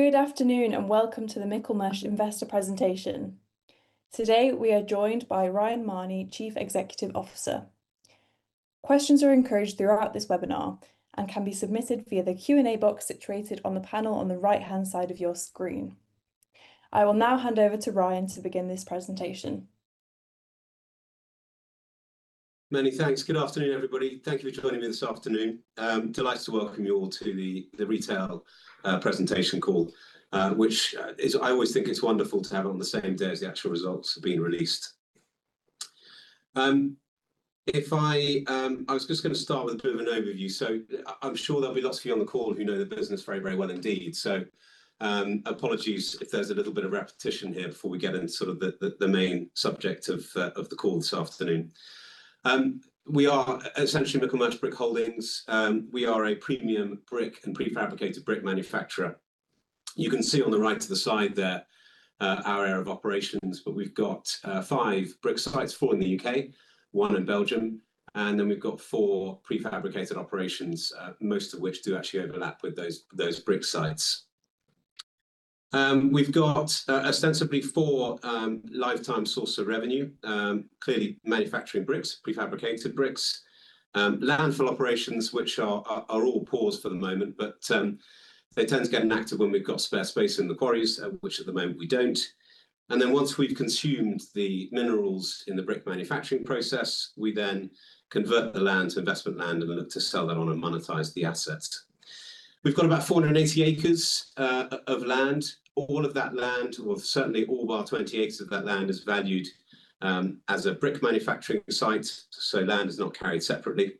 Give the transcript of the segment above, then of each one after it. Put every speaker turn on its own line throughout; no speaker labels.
Good afternoon, and welcome to the Michelmersh investor presentation. Today, we are joined by Ryan Mahoney, Chief Executive Officer. Questions are encouraged throughout this webinar and can be submitted via the Q&A box situated on the panel on the right-hand side of your screen. I will now hand over to Ryan to begin this presentation.
Many thanks. Good afternoon, everybody. Thank you for joining me this afternoon. Delighted to welcome you all to the retail presentation call, which is, I always think, wonderful to have it on the same day as the actual results have been released. I was just gonna start with a bit of an overview. I'm sure there'll be lots of you on the call who know the business very, very well indeed, apologies if there's a little bit of repetition here before we get into sort of the main subject of the call this afternoon. We are essentially Michelmersh Brick Holdings. We are a premium brick and prefabricated brick manufacturer. You can see on the right to the side there, our area of operations, but we've got five brick sites, four in the U.K., 1 in Belgium, and then we've got four prefabricated operations, most of which do actually overlap with those brick sites. We've got ostensibly four lifetime sources of revenue, clearly manufacturing bricks, prefabricated bricks, landfill operations, which are all paused for the moment, but they tend to get activated when we've got spare space in the quarries, which at the moment we don't. Once we've consumed the minerals in the brick manufacturing process, we then convert the land to investment land and look to sell that on and monetize the assets. We've got about 480 acres of land. All of that land, or certainly all but 20 acres of that land is valued as a brick manufacturing site, so land is not carried separately.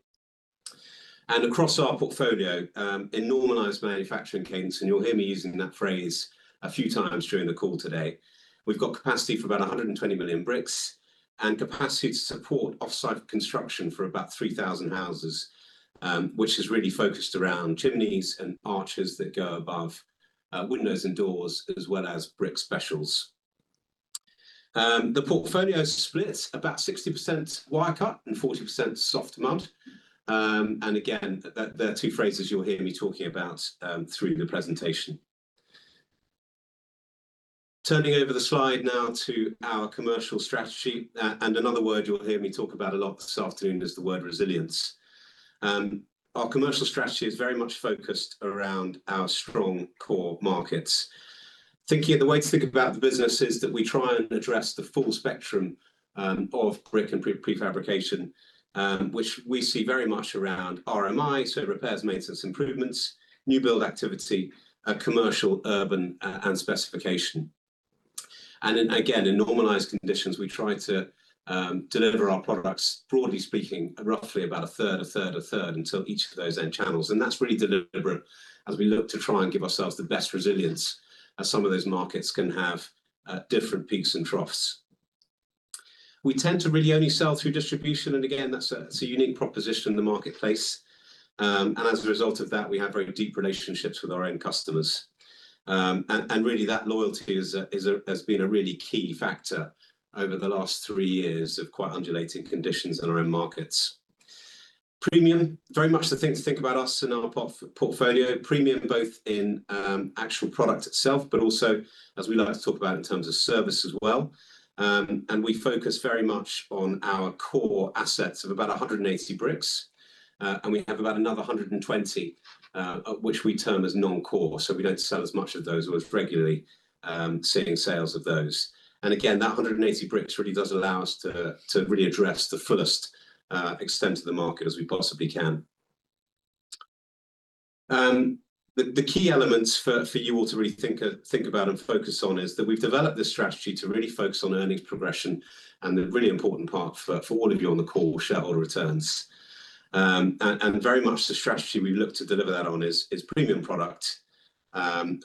Across our portfolio, in normalized manufacturing cadence, and you'll hear me using that phrase a few times during the call today, we've got capacity for about 120 million bricks and capacity to support off-site construction for about 3,000 houses, which is really focused around chimneys and arches that go above windows and doors, as well as brick specials. The portfolio is split about 60% wire cut and 40% soft mud. Again, they're two phrases you'll hear me talking about through the presentation. Turning over the slide now to our commercial strategy. Another word you'll hear me talk about a lot this afternoon is the word resilience. Our commercial strategy is very much focused around our strong core markets. The way to think about the business is that we try and address the full spectrum of brick and prefabrication, which we see very much around RMI, so repairs, maintenance, improvements, new build activity, commercial, urban, and specification. In normalized conditions, we try to deliver our products, broadly speaking, roughly about a third into each of those end channels, and that's really deliberate as we look to try and give ourselves the best resilience as some of those markets can have different peaks and troughs. We tend to really only sell through distribution, and again, that's a unique proposition in the marketplace. As a result of that, we have very deep relationships with our own customers. Really that loyalty has been a really key factor over the last three years of quite undulating conditions in our own markets. Premium, very much the thing to think about us in our portfolio. Premium both in actual product itself, but also as we like to talk about in terms of service as well. We focus very much on our core assets of about 180 bricks, and we have about another 120, which we term as non-core, so we don't sell as much of those or as regularly, seeing sales of those. Again, that 180 bricks really does allow us to really address the fullest extent of the market as we possibly can. The key elements for you all to really think about and focus on is that we've developed this strategy to really focus on earnings progression, and the really important part for all of you on the call, shareholder returns. Very much the strategy we look to deliver that on is premium product.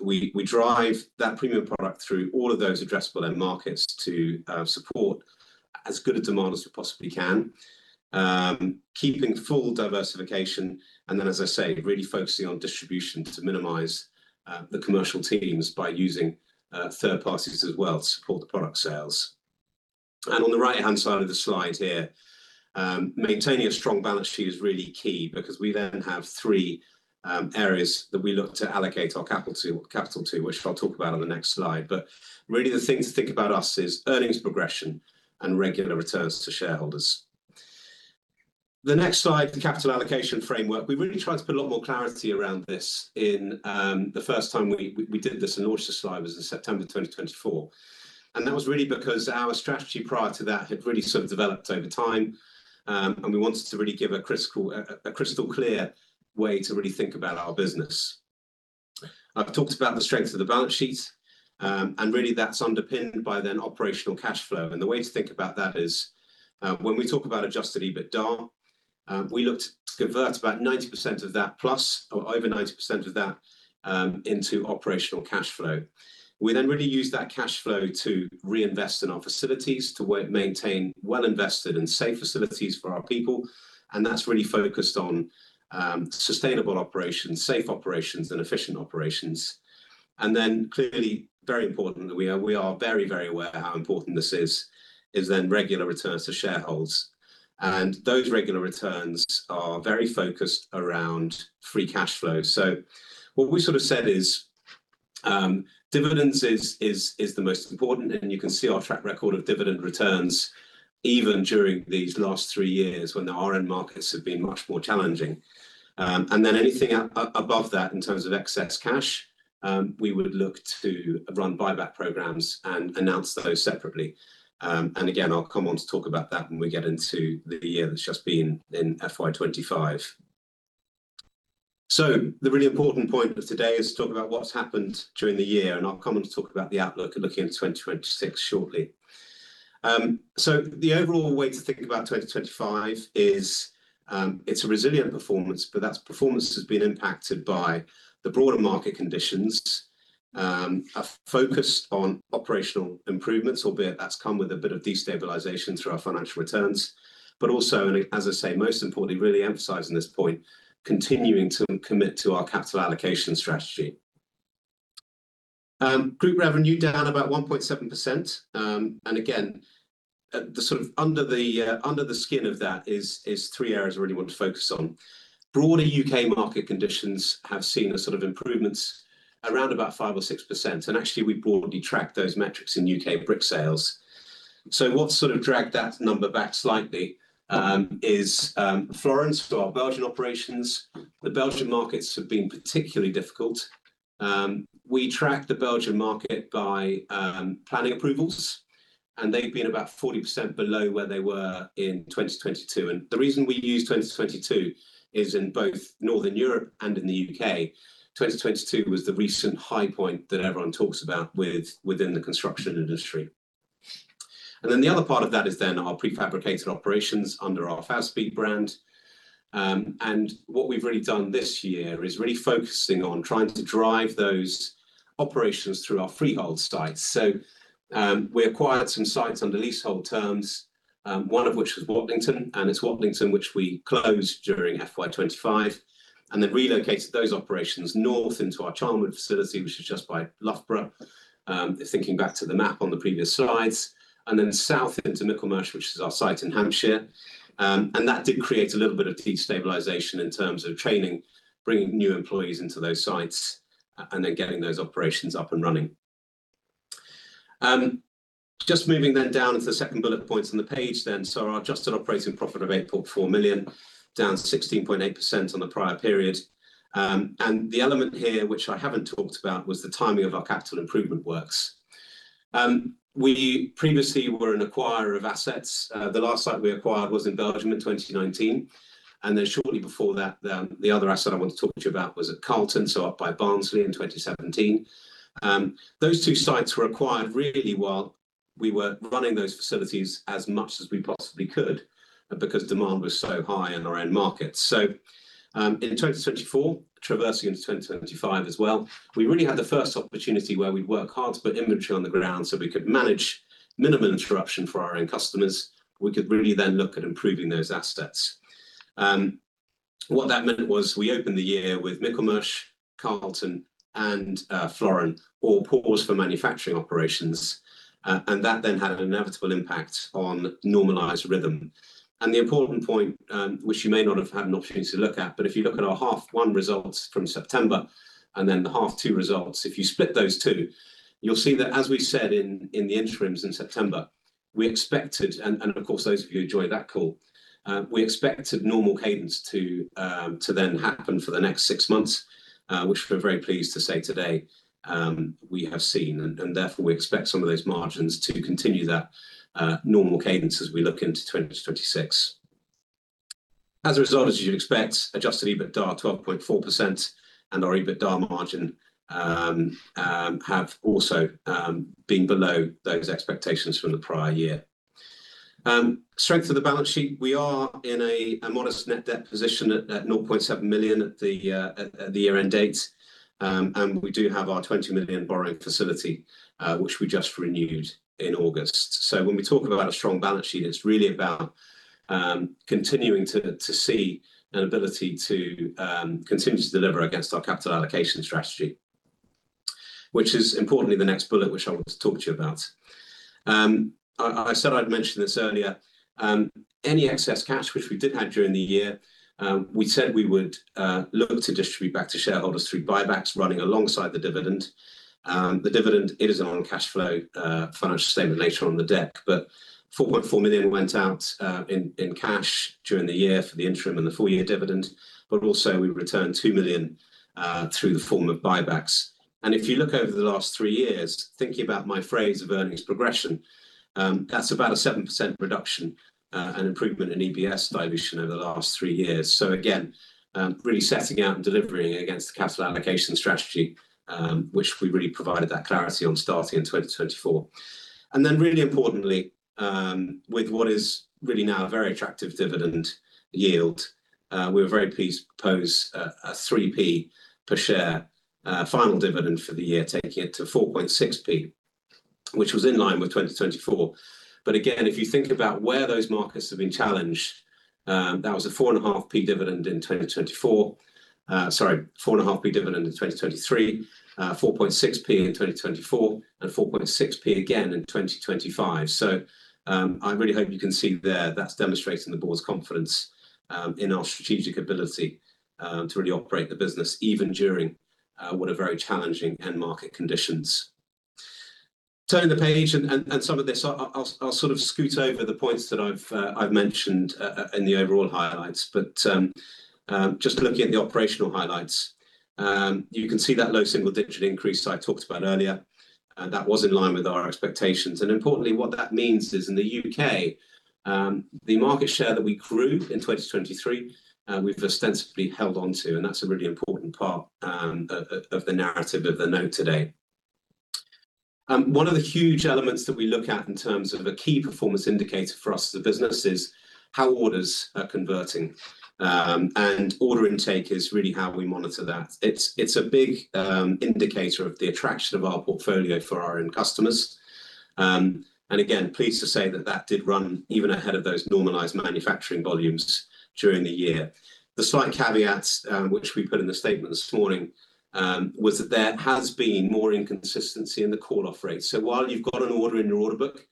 We drive that premium product through all of those addressable end markets to support as good a demand as we possibly can. Keeping full diversification and then, as I say, really focusing on distribution to minimize the commercial teams by using third parties as well to support the product sales. On the right-hand side of the slide here, maintaining a strong balance sheet is really key because we then have three areas that we look to allocate our capital to, which I'll talk about on the next slide. Really the thing to think about is earnings progression and regular returns to shareholders. The next slide, the capital allocation framework. We really tried to put a lot more clarity around this in the first time we did this in August this year was in September 2024. That was really because our strategy prior to that had really sort of developed over time and we wanted to really give a crystal clear way to really think about our business. I've talked about the strength of the balance sheet, and really that's underpinned by then operational cash flow. The way to think about that is, when we talk about adjusted EBITDA, we look to convert about 90% of that plus, or over 90% of that, into operational cash flow. We then really use that cash flow to reinvest in our facilities, to maintain well-invested and safe facilities for our people, and that's really focused on sustainable operations, safe operations, and efficient operations. Then clearly, very important that we are very aware how important this is, then regular returns to shareholders, and those regular returns are very focused around free cash flow. What we sort of said is, dividends is the most important, and you can see our track record of dividend returns even during these last three years when the end markets have been much more challenging. Then anything above that in terms of excess cash, we would look to run buyback programs and announce those separately. Again, I'll come on to talk about that when we get into the year that's just been in FY 2025. The really important point of today is to talk about what's happened during the year, and I'll come on to talk about the outlook and looking into 2026 shortly. The overall way to think about 2025 is a resilient performance, but that performance has been impacted by the broader market conditions, a focus on operational improvements, albeit that's come with a bit of destabilization through our financial returns. Also, and as I say, most importantly, really emphasizing this point, continuing to commit to our capital allocation strategy. Group revenue down about 1.7%. Again, the sort of under the skin of that is three areas I really want to focus on. Broader U.K. market conditions have seen a sort of improvements around about 5% or 6%, and actually we broadly track those metrics in U.K. brick sales. What sort of dragged that number back slightly is Floren for our Belgian operations. The Belgian markets have been particularly difficult. We track the Belgian market by planning approvals, and they've been about 40% below where they were in 2022. The reason we use 2022 is in both Northern Europe and in the U.K., 2022 was the recent high point that everyone talks about within the construction industry. The other part of that is our prefabricated operations under our FabSpeed brand. What we've really done this year is really focusing on trying to drive those operations through our freehold sites. We acquired some sites under leasehold terms, one of which was Watlington, and it's Watlington which we closed during FY 2025 and then relocated those operations north into our Charnwood facility, which is just by Loughborough. Thinking back to the map on the previous slides, and then south into Michelmersh, which is our site in Hampshire. That did create a little bit of destabilization in terms of training, bringing new employees into those sites and then getting those operations up and running. Just moving then down to the second bullet points on the page then. Our adjusted operating profit of 8.4 million, down 16.8% on the prior period. The element here which I haven't talked about was the timing of our capital improvement works. We previously were an acquirer of assets. The last site we acquired was in Belgium in 2019. Shortly before that, the other asset I want to talk to you about was at Carlton, so up by Barnsley in 2017. Those two sites were acquired really while we were running those facilities as much as we possibly could because demand was so high in our end markets. In 2024, transitioning into 2025 as well, we really had the first opportunity where we'd work hard to put inventory on the ground so we could manage minimum interruption for our end customers. We could really then look at improving those assets. What that meant was we opened the year with Michelmersh, Carlton and Floren all paused for manufacturing operations. That then had an inevitable impact on normalized rhythm. The important point, which you may not have had an opportunity to look at, but if you look at our half one results from September and then the half two results, if you split those two, you'll see that as we said in the interims in September, we expected and of course, those of you who joined that call, we expected normal cadence to then happen for the next six months, which we're very pleased to say today, we have seen. Therefore we expect some of those margins to continue that normal cadence as we look into 2026. As a result, as you'd expect, adjusted EBITDA 12.4% and our EBITDA margin have also been below those expectations from the prior year. Strength of the balance sheet, we are in a modest net debt position at 0.7 million at the year-end date. We do have our 20 million borrowing facility, which we just renewed in August. When we talk about a strong balance sheet, it's really about continuing to see an ability to continue to deliver against our capital allocation strategy. Which is importantly the next bullet which I want to talk to you about. I said I'd mention this earlier. Any excess cash which we did have during the year, we said we would look to distribute back to shareholders through buybacks running alongside the dividend. The dividend is on cash flow statement later on in the deck, but 4.4 million went out in cash during the year for the interim and the full year dividend. We returned 2 million in the form of buybacks. If you look over the last three years, thinking about my phrase of earnings progression, that's about a 7% reduction and improvement in EPS dilution over the last three years. Again, really setting out and delivering against the capital allocation strategy, which we really provided that clarity on starting in 2024. Really importantly, with what is really now a very attractive dividend yield, we were very pleased to propose a 0.03 per share final dividend for the year, taking it to 0.046, which was in line with 2024. If you think about where those markets have been challenged, that was a 0.045 dividend in 2023, 0.046 in 2024, and 0.046 again in 2025. I really hope you can see there that's demonstrating the board's confidence in our strategic ability to really operate the business even during what are very challenging end market conditions. Turning the page and some of this I'll sort of scoot over the points that I've mentioned in the overall highlights. Just looking at the operational highlights, you can see that low single digit increase I talked about earlier, and that was in line with our expectations. Importantly, what that means is in the UK, the market share that we grew in 2023, we've ostensibly held on to, and that's a really important part of the narrative of the note today. One of the huge elements that we look at in terms of a key performance indicator for us as a business is how orders are converting. Order intake is really how we monitor that. It's a big indicator of the attraction of our portfolio for our end customers. Again, pleased to say that that did run even ahead of those normalized manufacturing volumes during the year. The slight caveats, which we put in the statement this morning, was that there has been more inconsistency in the call-off rate. While you've got an order in your order book,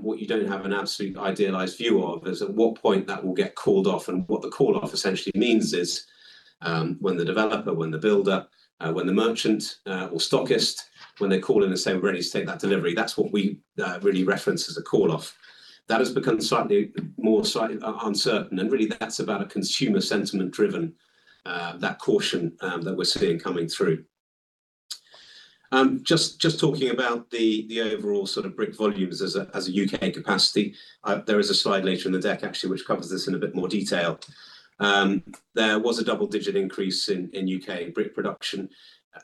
what you don't have an absolute idealized view of is at what point that will get called off. What the call-off essentially means is, when the developer, when the builder, when the merchant or stockist, when they call in and say, "We're ready to take that delivery," that's what we really reference as a call-off. That has become slightly more uncertain, and really that's about a consumer sentiment-driven that caution that we're seeing coming through. Just talking about the overall sort of brick volumes as a UK capacity. There is a slide later in the deck actually, which covers this in a bit more detail. There was a double-digit increase in UK brick production.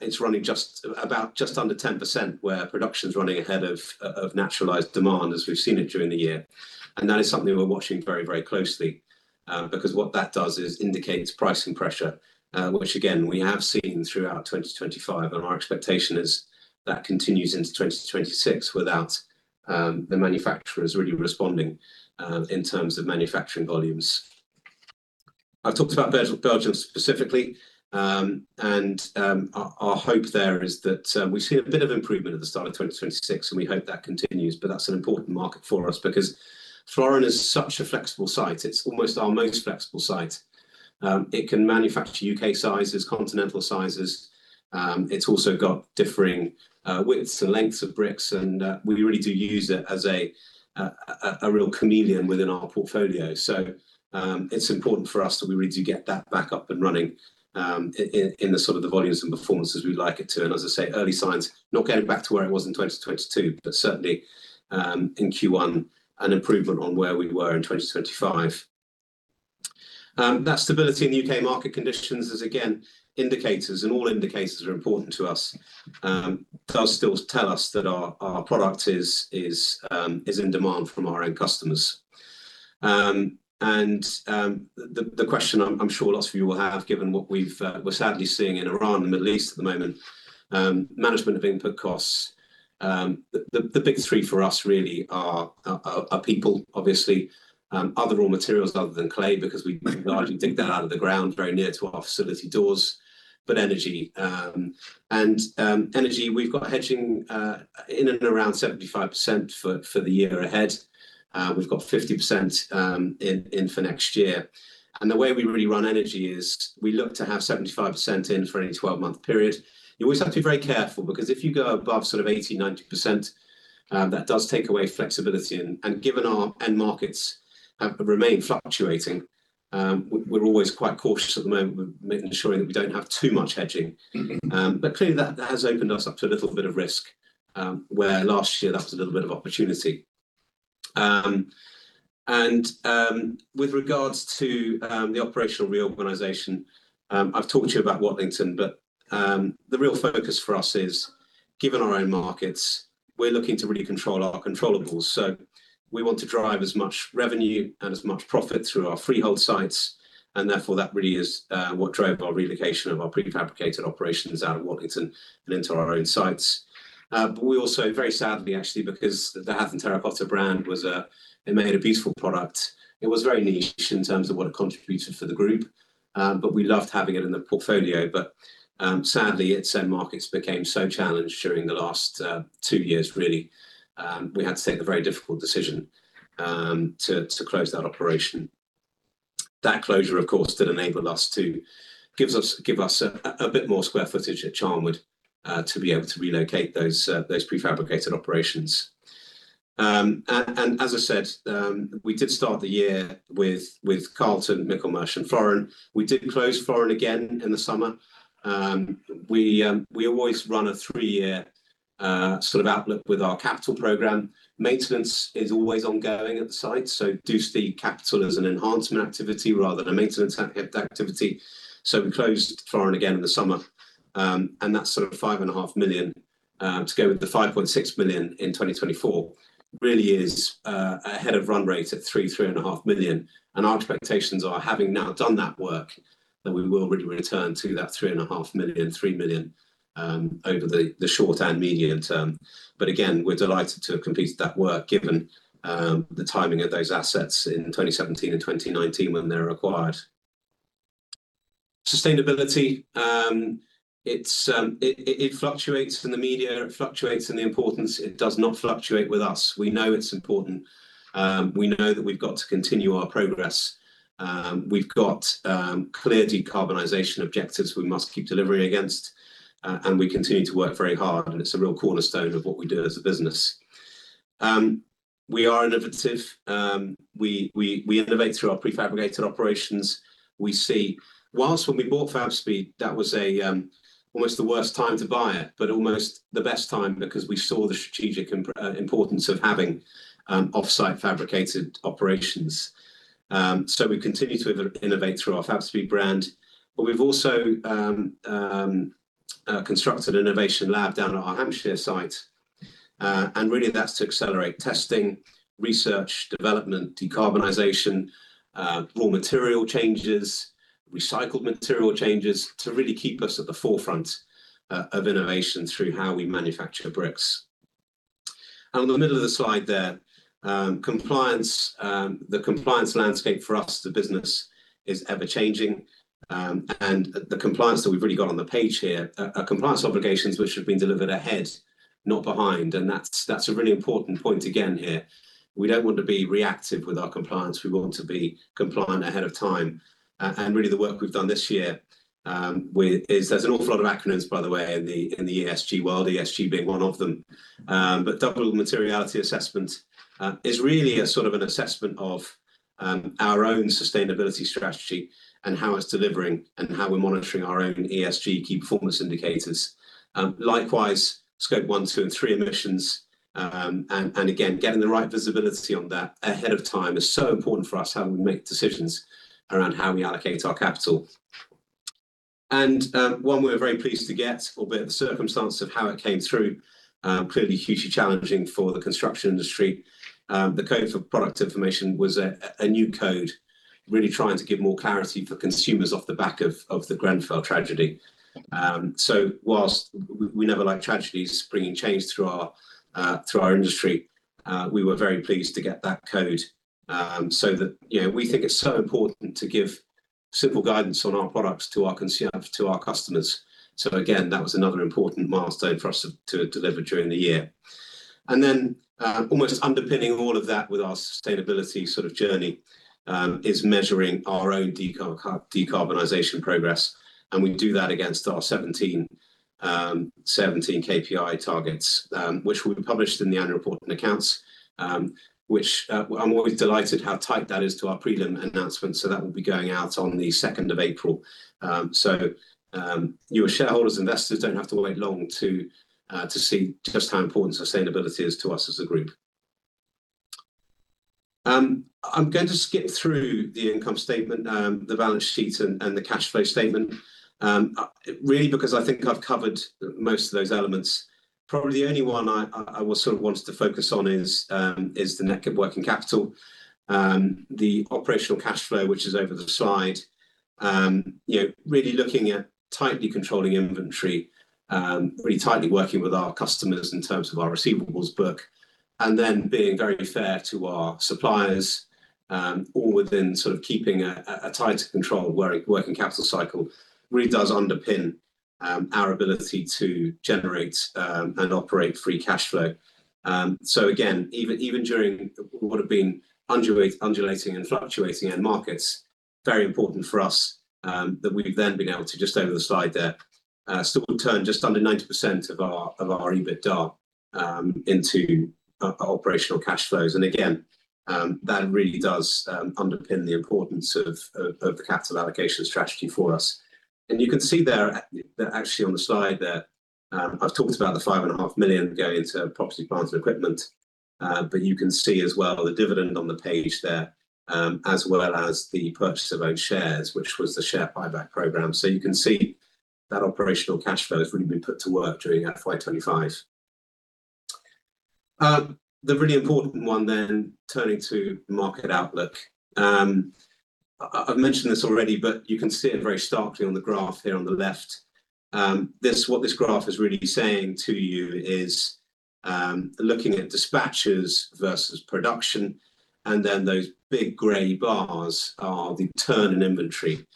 It's running just under 10%, where production's running ahead of national demand as we've seen it during the year. That is something we're watching very, very closely, because what that does is indicates pricing pressure, which again, we have seen throughout 2025. Our expectation is that continues into 2026 without the manufacturers really responding in terms of manufacturing volumes. I've talked about Belgium specifically. Our hope there is that we see a bit of improvement at the start of 2026, and we hope that continues, but that's an important market for us because Floren is such a flexible site. It's almost our most flexible site. It can manufacture U.K. sizes, continental sizes. It's also got differing widths and lengths of bricks, and we really do use it as a real chameleon within our portfolio. It's important for us that we really do get that back up and running, in the sort of the volumes and performance as we'd like it to. As I say, early signs, not getting back to where it was in 2022, but certainly, in Q1 an improvement on where we were in 2025. That stability in the U.K. market conditions is again indicators, and all indicators are important to us. That does still tell us that our product is in demand from our end customers. The question I'm sure lots of you will have, given what we're sadly seeing in Iran and the Middle East at the moment, management of input costs. The biggest three for us really are people obviously, other raw materials other than clay, because we largely dig that out of the ground very near to our facility doors. Energy, we've got hedging in and around 75% for the year ahead. We've got 50% in for next year. The way we really run energy is we look to have 75% in for any 12-month period. You always have to be very careful, because if you go above sort of 80%-90%, that does take away flexibility. Given our end markets have remained fluctuating, we're always quite cautious at the moment with ensuring that we don't have too much hedging. Clearly that has opened us up to a little bit of risk, where last year that was a little bit of opportunity. With regards to the operational reorganization, I've talked to you about Watlington, but the real focus for us is, given our own markets, we're looking to really control our controllables. We want to drive as much revenue and as much profit through our freehold sites, and therefore that really is what drove our relocation of our prefabricated operations out of Watlington and into our own sites. We also very sadly actually, because the Hathern Terra Cotta brand was a, it made a beautiful product. It was very niche in terms of what it contributed for the group. We loved having it in the portfolio. Sadly, its end markets became so challenged during the last two years really, we had to take the very difficult decision to close that operation. That closure, of course, did enable us to give us a bit more square footage at Charnwood to be able to relocate those prefabricated operations. As I said, we did start the year with Carlton, Michelmersh and Floren. We did close Floren again in the summer. We always run a three-year sort of outlook with our capital program. Maintenance is always ongoing at the site, so do see capital as an enhancement activity rather than a maintenance activity. We closed Floren again in the summer. That's sort of 5.5 million to go with the 5.6 million in 2024, really is ahead of run rate at 3-3.5 million. Our expectations are, having now done that work, that we will really return to that 3.5 million, 3 million over the short and medium term. We're delighted to have completed that work given the timing of those assets in 2017 and 2019 when they were acquired. Sustainability, it fluctuates in the media, it fluctuates in the importance. It does not fluctuate with us. We know it's important. We know that we've got to continue our progress. We've got clear decarbonization objectives we must keep delivering against, and we continue to work very hard, and it's a real cornerstone of what we do as a business. We are innovative. We innovate through our prefabricated operations. We saw when we bought FabSpeed, that was almost the worst time to buy it, but almost the best time because we saw the strategic importance of having off-site fabricated operations. We continue to innovate through our FabSpeed brand. We've also constructed an innovation lab down at our Hampshire site. Really that's to accelerate testing, research, development, decarbonization, raw material changes, recycled material changes to really keep us at the forefront of innovation through how we manufacture bricks. On the middle of the slide there, compliance, the compliance landscape for us, the business, is ever-changing. The compliance that we've really got on the page here are compliance obligations which have been delivered ahead, not behind. That's a really important point again here. We don't want to be reactive with our compliance. We want to be compliant ahead of time. And really the work we've done this year is there's an awful lot of acronyms, by the way, in the ESG world, ESG being one of them. But double materiality assessment is really a sort of an assessment of our own sustainability strategy and how it's delivering and how we're monitoring our own ESG key performance indicators. Likewise, Scope one, two, and three emissions. Getting the right visibility on that ahead of time is so important for us, how we make decisions around how we allocate our capital. One we're very pleased to get, albeit the circumstance of how it came through, clearly hugely challenging for the construction industry. The Code for Construction Product Information was a new code really trying to give more clarity for consumers on the back of the Grenfell tragedy. While we never like tragedies bringing change through our industry, we were very pleased to get that code, so that, you know, we think it's so important to give simple guidance on our products to our consumer, to our customers. That was another important milestone for us to deliver during the year. Almost underpinning all of that with our sustainability sort of journey is measuring our own decarbonization progress, and we do that against our 17 KPI targets, which will be published in the annual report and accounts, which I'm always delighted how tight that is to our prelim announcement. That will be going out on the second of April. You as shareholders, investors don't have to wait long to see just how important sustainability is to us as a group. I'm going to skip through the income statement, the balance sheet and the cash flow statement, really because I think I've covered most of those elements. Probably the only one I sort of wanted to focus on is the net working capital, the operational cash flow, which is over the slide. You know, really looking at tightly controlling inventory, really tightly working with our customers in terms of our receivables book, and then being very fair to our suppliers, all within sort of keeping a tighter control working capital cycle really does underpin our ability to generate and operate free cash flow. Again, even during what have been undulating and fluctuating end markets, very important for us, that we've then been able to, just over the slide there, still turn just under 90% of our EBITDA into operational cash flows. That really does underpin the importance of the capital allocation strategy for us. You can see there actually on the slide there, I've talked about the 5.5 million going into property, plant and equipment. But you can see as well the dividend on the page there, as well as the purchase of own shares, which was the share buyback program. You can see that operational cash flow has really been put to work during FY 2025. The really important one then, turning to market outlook, I've mentioned this already, but you can see it very starkly on the graph here on the left. What this graph is really saying to you is looking at dispatches versus production, and then those big gray bars are the turn in inventory.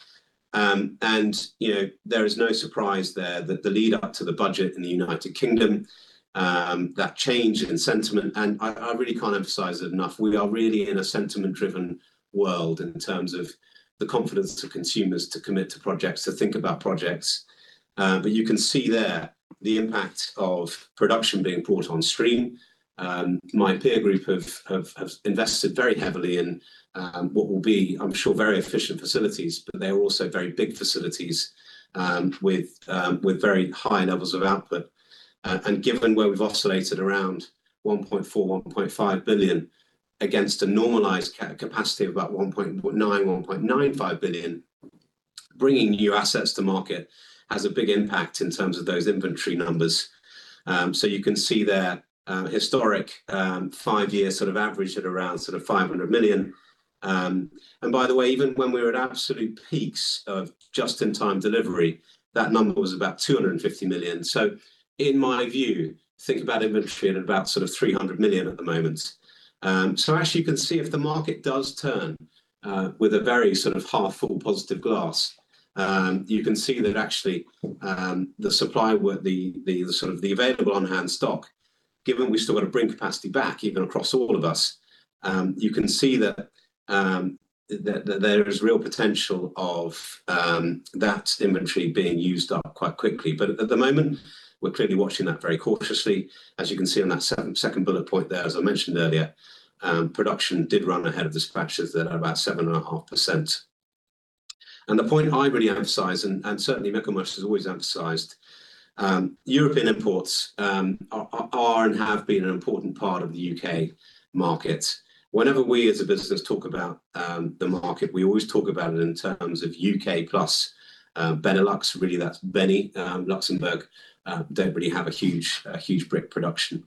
You know, there is no surprise there that the lead up to the budget in the United Kingdom, that change in sentiment, and I really can't emphasize it enough. We are really in a sentiment-driven world in terms of the confidence to consumers to commit to projects, to think about projects. You can see there the impact of production being brought on stream. My peer group have invested very heavily in what will be, I'm sure, very efficient facilities, but they're also very big facilities, with very high levels of output. Given where we've oscillated around 1.4-1.5 billion against a normalized capacity of about 1.9-1.95 billion, bringing new assets to market has a big impact in terms of those inventory numbers. You can see there, historic five-year sort of average at around sort of 500 million. By the way, even when we were at absolute peaks of just-in-time delivery, that number was about 250 million. In my view, think about inventory at about sort of 300 million at the moment. Actually you can see if the market does turn, with a very sort of half full positive glass, you can see that actually, the supply with the sort of the available on-hand stock, given we've still got to bring capacity back even across all of us. You can see that there is real potential of that inventory being used up quite quickly. At the moment, we're clearly watching that very cautiously. As you can see on that second bullet point there, as I mentioned earlier, production did run ahead of dispatches at about 7.5%. The point I really emphasize, and certainly Michelmersh has always emphasized, European imports are and have been an important part of the U.K. market. Whenever we as a business talk about the market, we always talk about it in terms of U.K. plus Benelux. Really that's Belgium, the Netherlands. Luxembourg don't really have a huge brick production.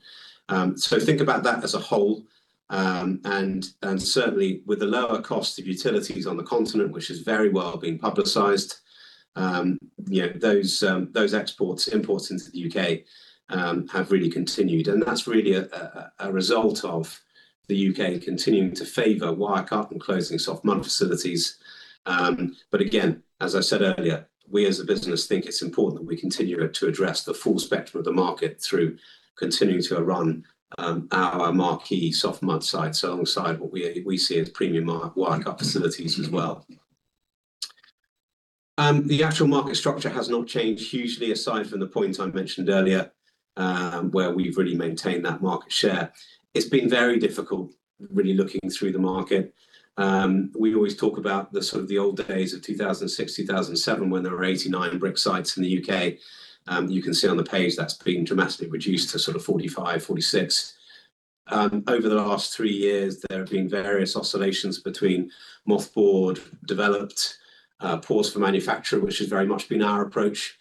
Think about that as a whole. Certainly with the lower cost of utilities on the continent, which has very well been publicized, you know, those imports into the U.K. have really continued. That's really a result of the U.K. continuing to favor wire cut and closing soft mud facilities. But again, as I said earlier, we as a business think it's important that we continue to address the full spectrum of the market through continuing to run our marquee soft mud sites alongside what we see as premium wire cut facilities as well. The actual market structure has not changed hugely aside from the points I mentioned earlier, where we've really maintained that market share. It's been very difficult really looking through the market. We always talk about the sort of the old days of 2006, 2007, when there were 89 brick sites in the U.K. You can see on the page that's been dramatically reduced to sort of 45, 46. Over the last three years, there have been various oscillations between mothballed, developed, paused for manufacture, which has very much been our approach.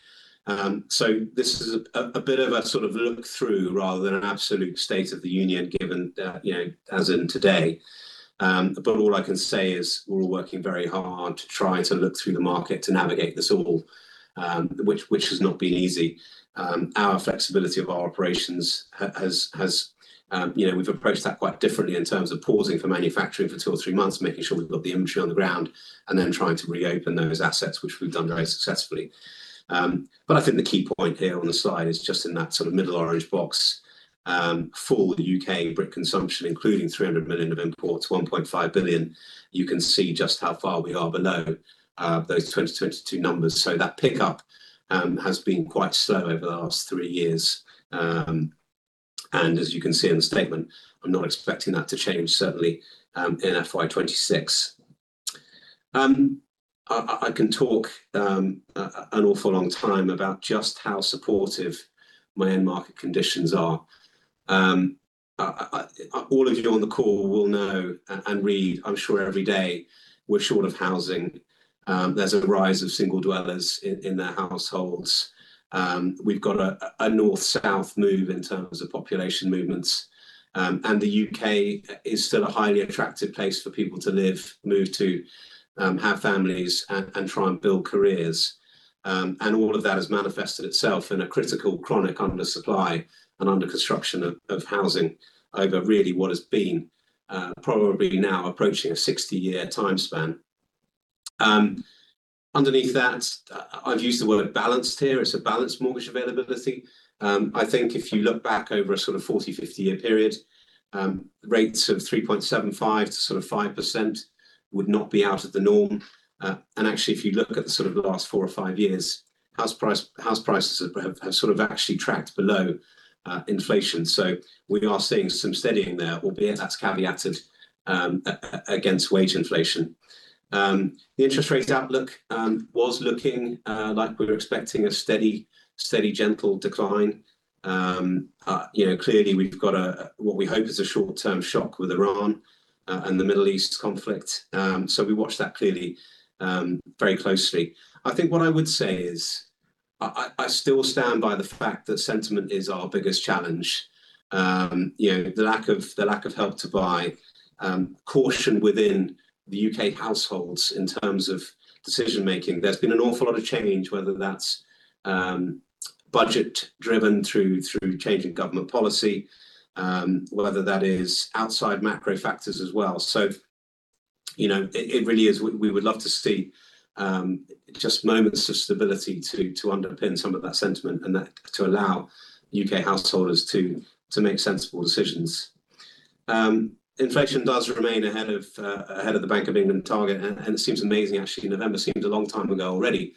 This is a bit of a sort of look through rather than an absolute state of the union, given that, you know, as in today. All I can say is we're all working very hard to try to look through the market to navigate this all, which has not been easy. Our flexibility of our operations has, you know, we've approached that quite differently in terms of pausing for manufacturing for two or three months, making sure we've got the inventory on the ground, and then trying to reopen those assets, which we've done very successfully. I think the key point here on the slide is just in that sort of middle orange box. For the U.K. brick consumption, including 300 million of imports, 1.5 billion, you can see just how far we are below those 2022 numbers. That pickup has been quite slow over the last three years. As you can see in the statement, I'm not expecting that to change certainly in FY 2026. I can talk an awful long time about just how supportive my end market conditions are. All of you on the call will know and read, I'm sure, every day we're short of housing. There's a rise of single dwellers in their households. We've got a north-south move in terms of population movements. The U.K. is still a highly attractive place for people to live, move to, have families, and try and build careers. All of that has manifested itself in a critical chronic under supply and under construction of housing over really what has been probably now approaching a 60-year time span. Underneath that, I've used the word balanced here. It's a balanced mortgage availability. I think if you look back over a sort of 40-50-year period, rates of 3.75% to sort of 5% would not be out of the norm. Actually, if you look at the sort of the last 4 or 5 years, house prices have sort of actually tracked below inflation. We are seeing some steadying there, albeit that's caveated against wage inflation. The interest rates outlook was looking like we were expecting a steady, gentle decline. You know, clearly we've got what we hope is a short-term shock with Iran and the Middle East conflict. We watch that clearly very closely. I think what I would say is I still stand by the fact that sentiment is our biggest challenge. You know, the lack of Help to Buy, caution within the U.K. households in terms of decision making. There's been an awful lot of change, whether that's budget driven through change in government policy, whether that is outside macro factors as well. You know, it really is. We would love to see just moments of stability to underpin some of that sentiment and that to allow U.K. householders to make sensible decisions. Inflation does remain ahead of the Bank of England target. It seems amazing, actually. November seems a long time ago already,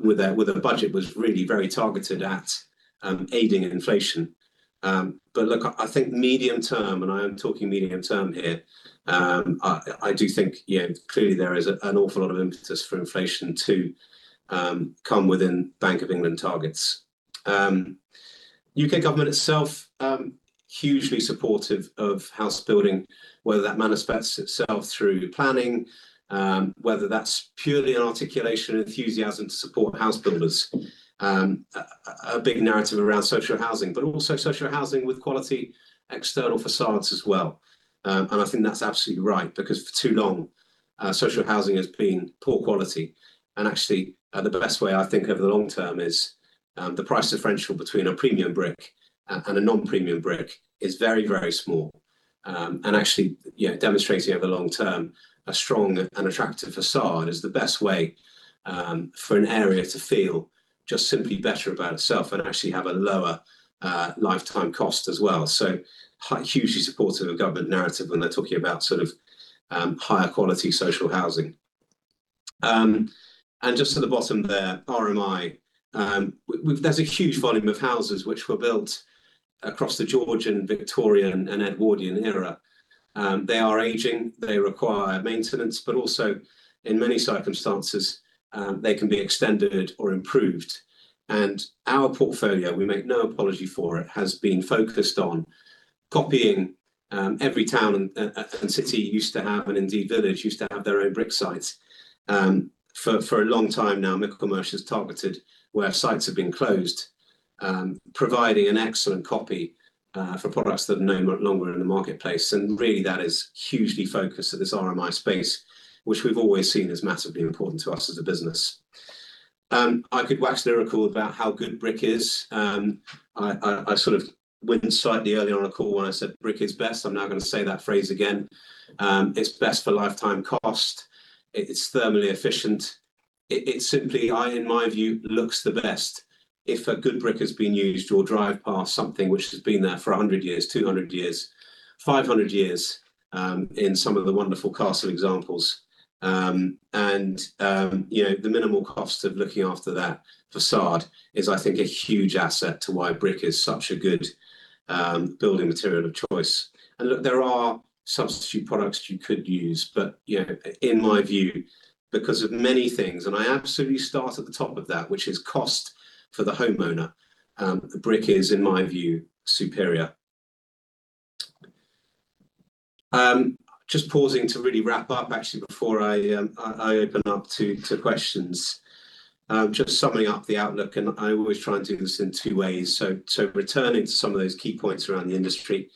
with a budget was really very targeted at aiding inflation. Look, I think medium term, and I am talking medium term here. I do think, you know, clearly there is an awful lot of impetus for inflation to come within Bank of England targets. U.K. government itself hugely supportive of house building, whether that manifests itself through planning, whether that's purely an articulation and enthusiasm to support house builders. A big narrative around social housing, but also social housing with quality external facades as well. I think that's absolutely right because for too long, social housing has been poor quality. Actually, the best way I think over the long term is the price differential between a premium brick and a non-premium brick is very, very small. Actually, you know, demonstrating over the long term a strong and attractive facade is the best way for an area to feel just simply better about itself and actually have a lower lifetime cost as well. Hugely supportive of government narrative when they're talking about sort of higher quality social housing. Just at the bottom there, RMI. There's a huge volume of houses which were built across the Georgian, Victorian, and Edwardian era. They are aging, they require maintenance, but also, in many circumstances, they can be extended or improved. Our portfolio, we make no apology for it, has been focused on copying every town and city used to have, and indeed village, used to have their own brick sites. For a long time now, Michelmersh has targeted where sites have been closed, providing an excellent copy for products that are no longer in the marketplace. Really that is hugely focused at this RMI space, which we've always seen as massively important to us as a business. I could wax lyrical about how good brick is. I sort of went slightly early on a call when I said brick is best. I'm now gonna say that phrase again. It's best for lifetime cost. It's thermally efficient. It simply, in my view, looks the best if a good brick has been used or drive past something which has been there for 100 years, 200 years, 500 years, in some of the wonderful castle examples. You know, the minimal cost of looking after that façade is, I think, a huge asset to why brick is such a good building material of choice. Look, there are substitute products you could use, but you know, in my view, because of many things, and I absolutely start at the top of that, which is cost for the homeowner, brick is, in my view, superior. Just pausing to really wrap up actually before I open up to questions. Just summing up the outlook, I always try and do this in two ways. Returning to some of those key points around the industry,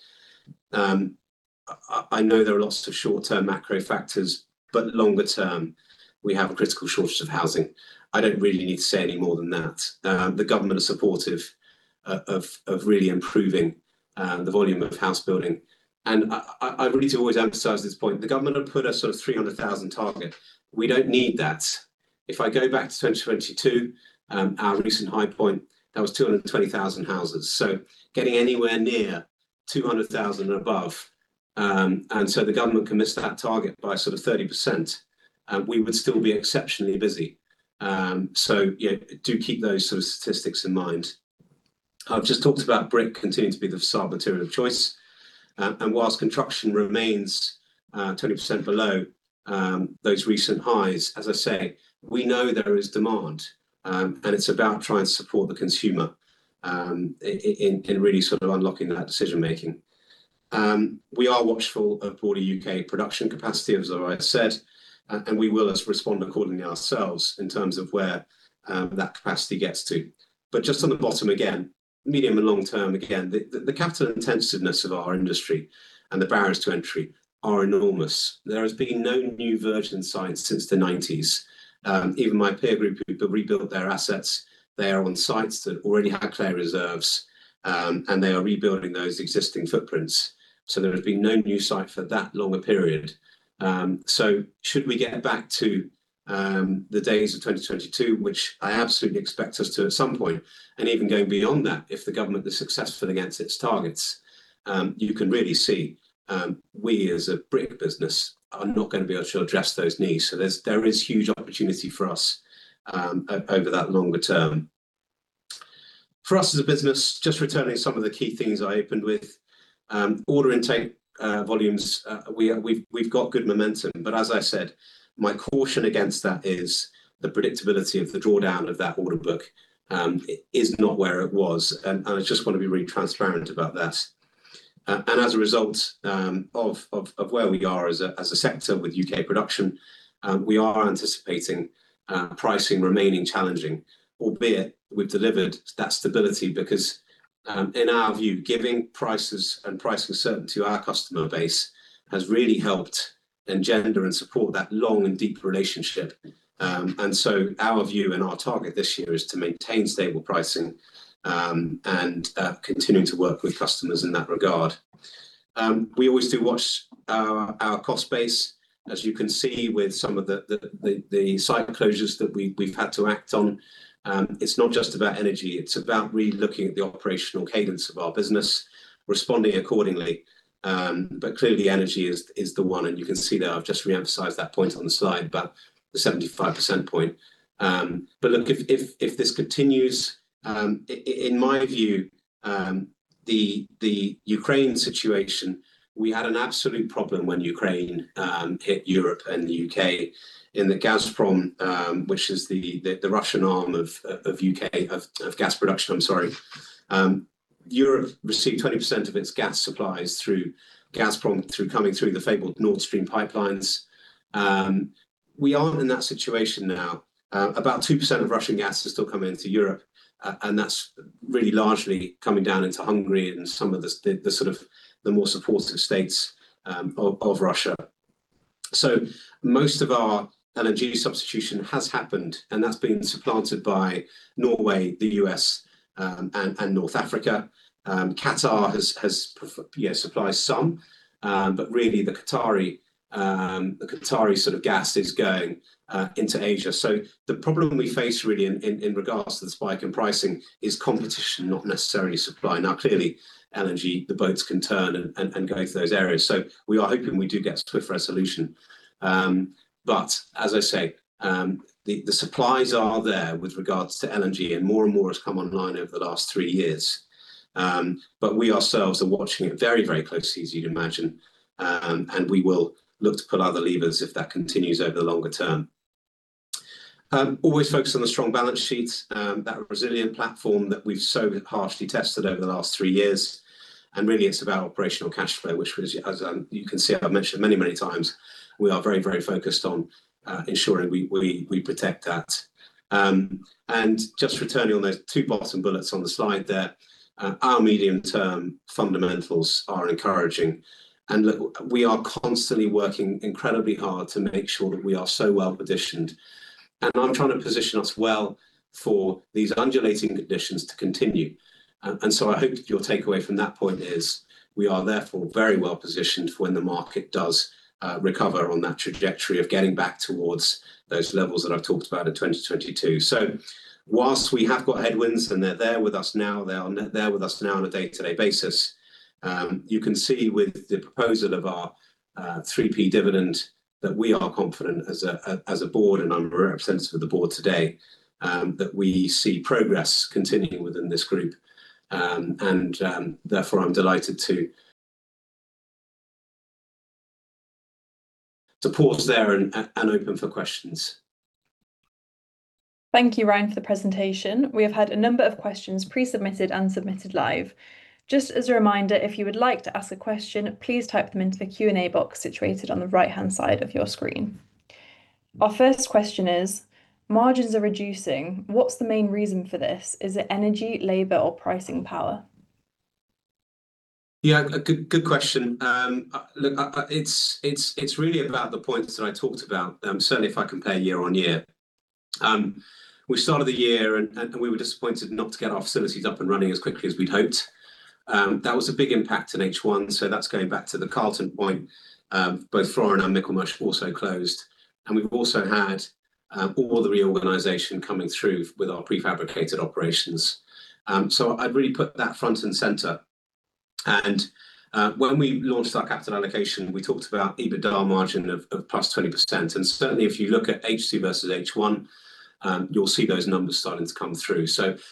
I know there are lots of short-term macro factors, but longer term, we have a critical shortage of housing. I don't really need to say any more than that. The government are supportive of really improving the volume of house building. I really need to always emphasize this point. The government had put a sort of 300,000 target. We don't need that. If I go back to 2022, our recent high point, that was 220,000 houses. Getting anywhere near 200,000 and above, and so the government can miss that target by sort of 30%, we would still be exceptionally busy. Yeah, do keep those sort of statistics in mind. I've just talked about brick continuing to be the facade material of choice. While construction remains 20% below those recent highs, as I say, we know there is demand, and it's about trying to support the consumer in really sort of unlocking that decision making. We are watchful of broader U.K. production capacity, as I said, and we will respond accordingly ourselves in terms of where that capacity gets to. Just on the bottom again, medium and long term again, the capital intensiveness of our industry and the barriers to entry are enormous. There has been no new virgin sites since the 1990s. Even my peer group who rebuilt their assets, they are on sites that already had clay reserves, and they are rebuilding those existing footprints. There has been no new site for that long a period. Should we get back to the days of 2022, which I absolutely expect us to at some point, and even going beyond that, if the government is successful against its targets, you can really see we as a brick business are not going to be able to address those needs. There is huge opportunity for us over that longer term. For us as a business, just returning some of the key things I opened with, order intake volumes, we've got good momentum, but as I said, my caution against that is the predictability of the drawdown of that order book is not where it was. I just want to be really transparent about that. As a result of where we are as a sector with U.K. production, we are anticipating pricing remaining challenging, albeit we've delivered that stability because in our view, giving prices and pricing certain to our customer base has really helped engender and support that long and deep relationship. Our view and our target this year is to maintain stable pricing and continuing to work with customers in that regard. We always do watch our cost base, as you can see with some of the site closures that we've had to act on. It's not just about energy, it's about relooking at the operational cadence of our business, responding accordingly. Clearly energy is the one, and you can see that I've just re-emphasized that point on the slide, about the 75% point. Look, if this continues, in my view, the Ukraine situation, we had an absolute problem when Ukraine hit Europe and the U.K. with Gazprom, which is the Russian arm of U.K. gas production, I'm sorry. Europe received 20% of its gas supplies through Gazprom, through coming through the fabled Nord Stream pipelines. We aren't in that situation now. About 2% of Russian gas is still coming into Europe, and that's really largely coming down into Hungary and some of the more supportive states of Russia. Most of our energy substitution has happened, and that's been supplanted by Norway, the U.S., and North Africa. Qatar supplies some, but really the Qatari sort of gas is going into Asia. The problem we face really in regards to the spike in pricing is competition, not necessarily supply. Now clearly, LNG, the boats can turn and go to those areas. We are hoping we do get a swift resolution. But as I say, the supplies are there with regards to LNG, and more and more has come online over the last three years. But we ourselves are watching it very closely, as you'd imagine. And we will look to pull other levers if that continues over the longer term. We are always focused on the strong balance sheets, that resilient platform that we've so harshly tested over the last three years, and really it's about operational cash flow, which, as you can see, I've mentioned many, many times. We are very, very focused on ensuring we protect that. Just returning on those two bullets and bullets on the slide there, our medium-term fundamentals are encouraging. Look, we are constantly working incredibly hard to make sure that we are so well-positioned, and I'm trying to position us well for these undulating conditions to continue. I hope your takeaway from that point is we are therefore very well-positioned for when the market does recover on that trajectory of getting back towards those levels that I've talked about in 2022. While we have got headwinds, and they're there with us now on a day-to-day basis, you can see with the proposal of our 3p dividend that we are confident as a board, and I'm a representative of the board today, that we see progress continuing within this group. Therefore, I'm delighted to pause there and open for questions.
Thank you, Ryan, for the presentation. We have had a number of questions pre-submitted and submitted live. Just as a reminder, if you would like to ask a question, please type them into the Q&A box situated on the right-hand side of your screen. Our first question is, margins are reducing. What's the main reason for this? Is it energy, labor, or pricing power?
Yeah, a good question. It's really about the points that I talked about, certainly if I compare year-on-year. We started the year and we were disappointed not to get our facilities up and running as quickly as we'd hoped. That was a big impact in H1, that's going back to the key point. Both Floren and Michelmersh were also closed. We've also had all the reorganization coming through with our prefabricated operations. I'd really put that front and center. When we launched our capital allocation, we talked about EBITDA margin of plus 20%. Certainly if you look at H2 versus H1, you'll see those numbers starting to come through.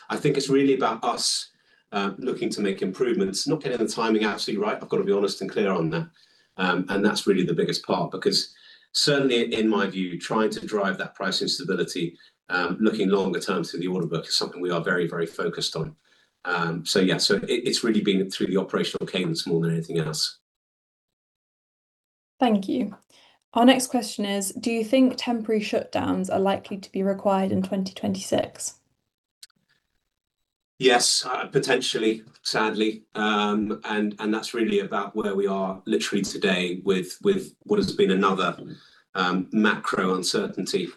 I think it's really about us looking to make improvements, not getting the timing absolutely right. I've got to be honest and clear on that. That's really the biggest part because certainly in my view, trying to drive that price stability, looking longer term through the order book is something we are very, very focused on. Yeah. It's really been through the operational cadence more than anything else.
Thank you. Our next question is, do you think temporary shutdowns are likely to be required in 2026?
Yes, potentially, sadly. That's really about where we are literally today with what has been another macro uncertainty,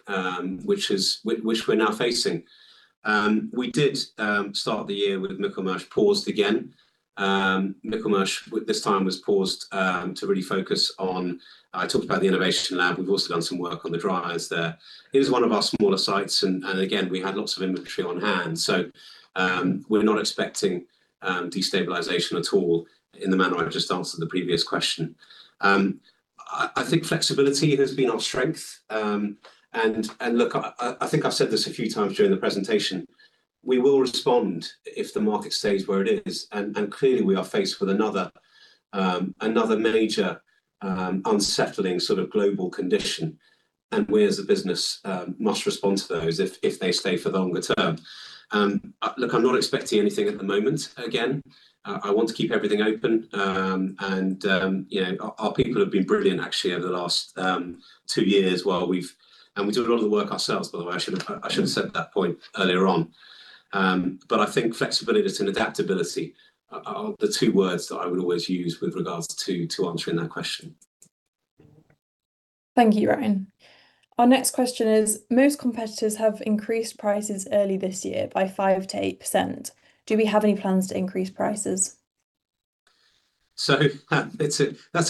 which we're now facing. We did start the year with Michelmersh paused again. Michelmersh, which this time was paused, to really focus on. I talked about the innovation lab. We've also done some work on the dryer site there. It was one of our smaller sites and again, we had lots of inventory on hand. We're not expecting destabilization at all in the manner I've just answered the previous question. I think flexibility has been our strength. Look, I think I've said this a few times during the presentation. We will respond if the market stays where it is. Clearly, we are faced with another major unsettling sort of global condition. We as a business must respond to those if they stay for longer term. Look, I'm not expecting anything at the moment. Again, I want to keep everything open. You know, our people have been brilliant actually over the last two years. We do a lot of the work ourselves, by the way. I should have said that point earlier on. But I think flexibility and adaptability are the two words that I would always use with regards to answering that question.
Thank you, Ryan. Our next question is, most competitors have increased prices early this year by 5%-8%. Do we have any plans to increase prices?
That's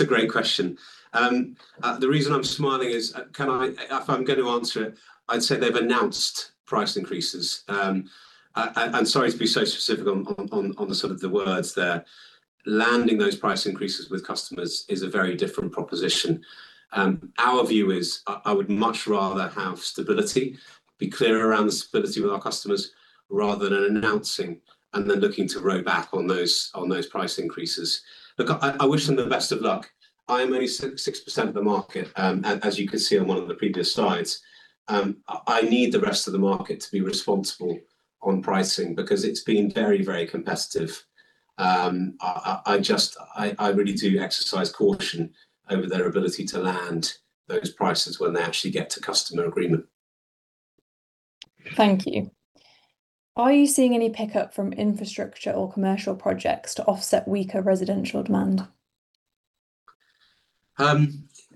a great question. The reason I'm smiling is, if I'm going to answer it, I'd say they've announced price increases. Sorry to be so specific on the sort of words there. Landing those price increases with customers is a very different proposition. Our view is I would much rather have stability, be clearer around the stability with our customers rather than announcing and then looking to row back on those price increases. Look, I wish them the best of luck. I am only 6% of the market, as you can see on one of the previous slides. I need the rest of the market to be responsible on pricing because it's been very competitive. I just really do exercise caution over their ability to land those prices when they actually get to customer agreement.
Thank you. Are you seeing any pickup from infrastructure or commercial projects to offset weaker residential demand?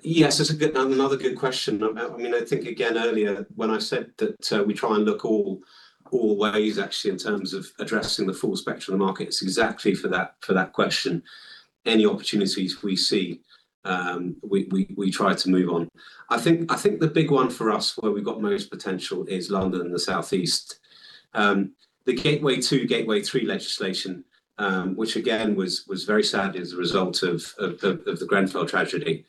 Yes, that's a good, another good question. I mean, I think again earlier when I said that, we try and look all ways actually in terms of addressing the full spectrum of the market, it's exactly for that, for that question. Any opportunities we see, we try to move on. I think the big one for us where we've got most potential is London and the South East. The Gateway 2, Gateway 3 legislation, which again was very sadly as a result of the Grenfell tragedy.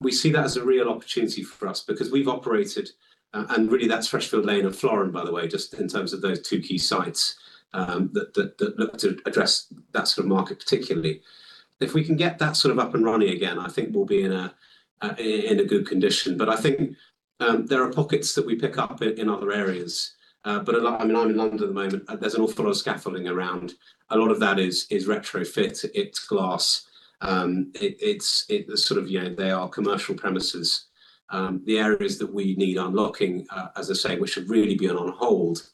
We see that as a real opportunity for us because we've operated, and really that's Freshfield Lane and Floren, by the way, just in terms of those two key sites, that look to address that sort of market particularly. If we can get that sort of up and running again, I think we'll be in a good condition. I think there are pockets that we pick up in other areas. A lot, I mean, I'm in London at the moment. There's an awful lot of scaffolding around. A lot of that is retrofit. It's glass. It's sort of, you know, they are commercial premises. The areas that we need unlocking, as I say, which should really be on hold,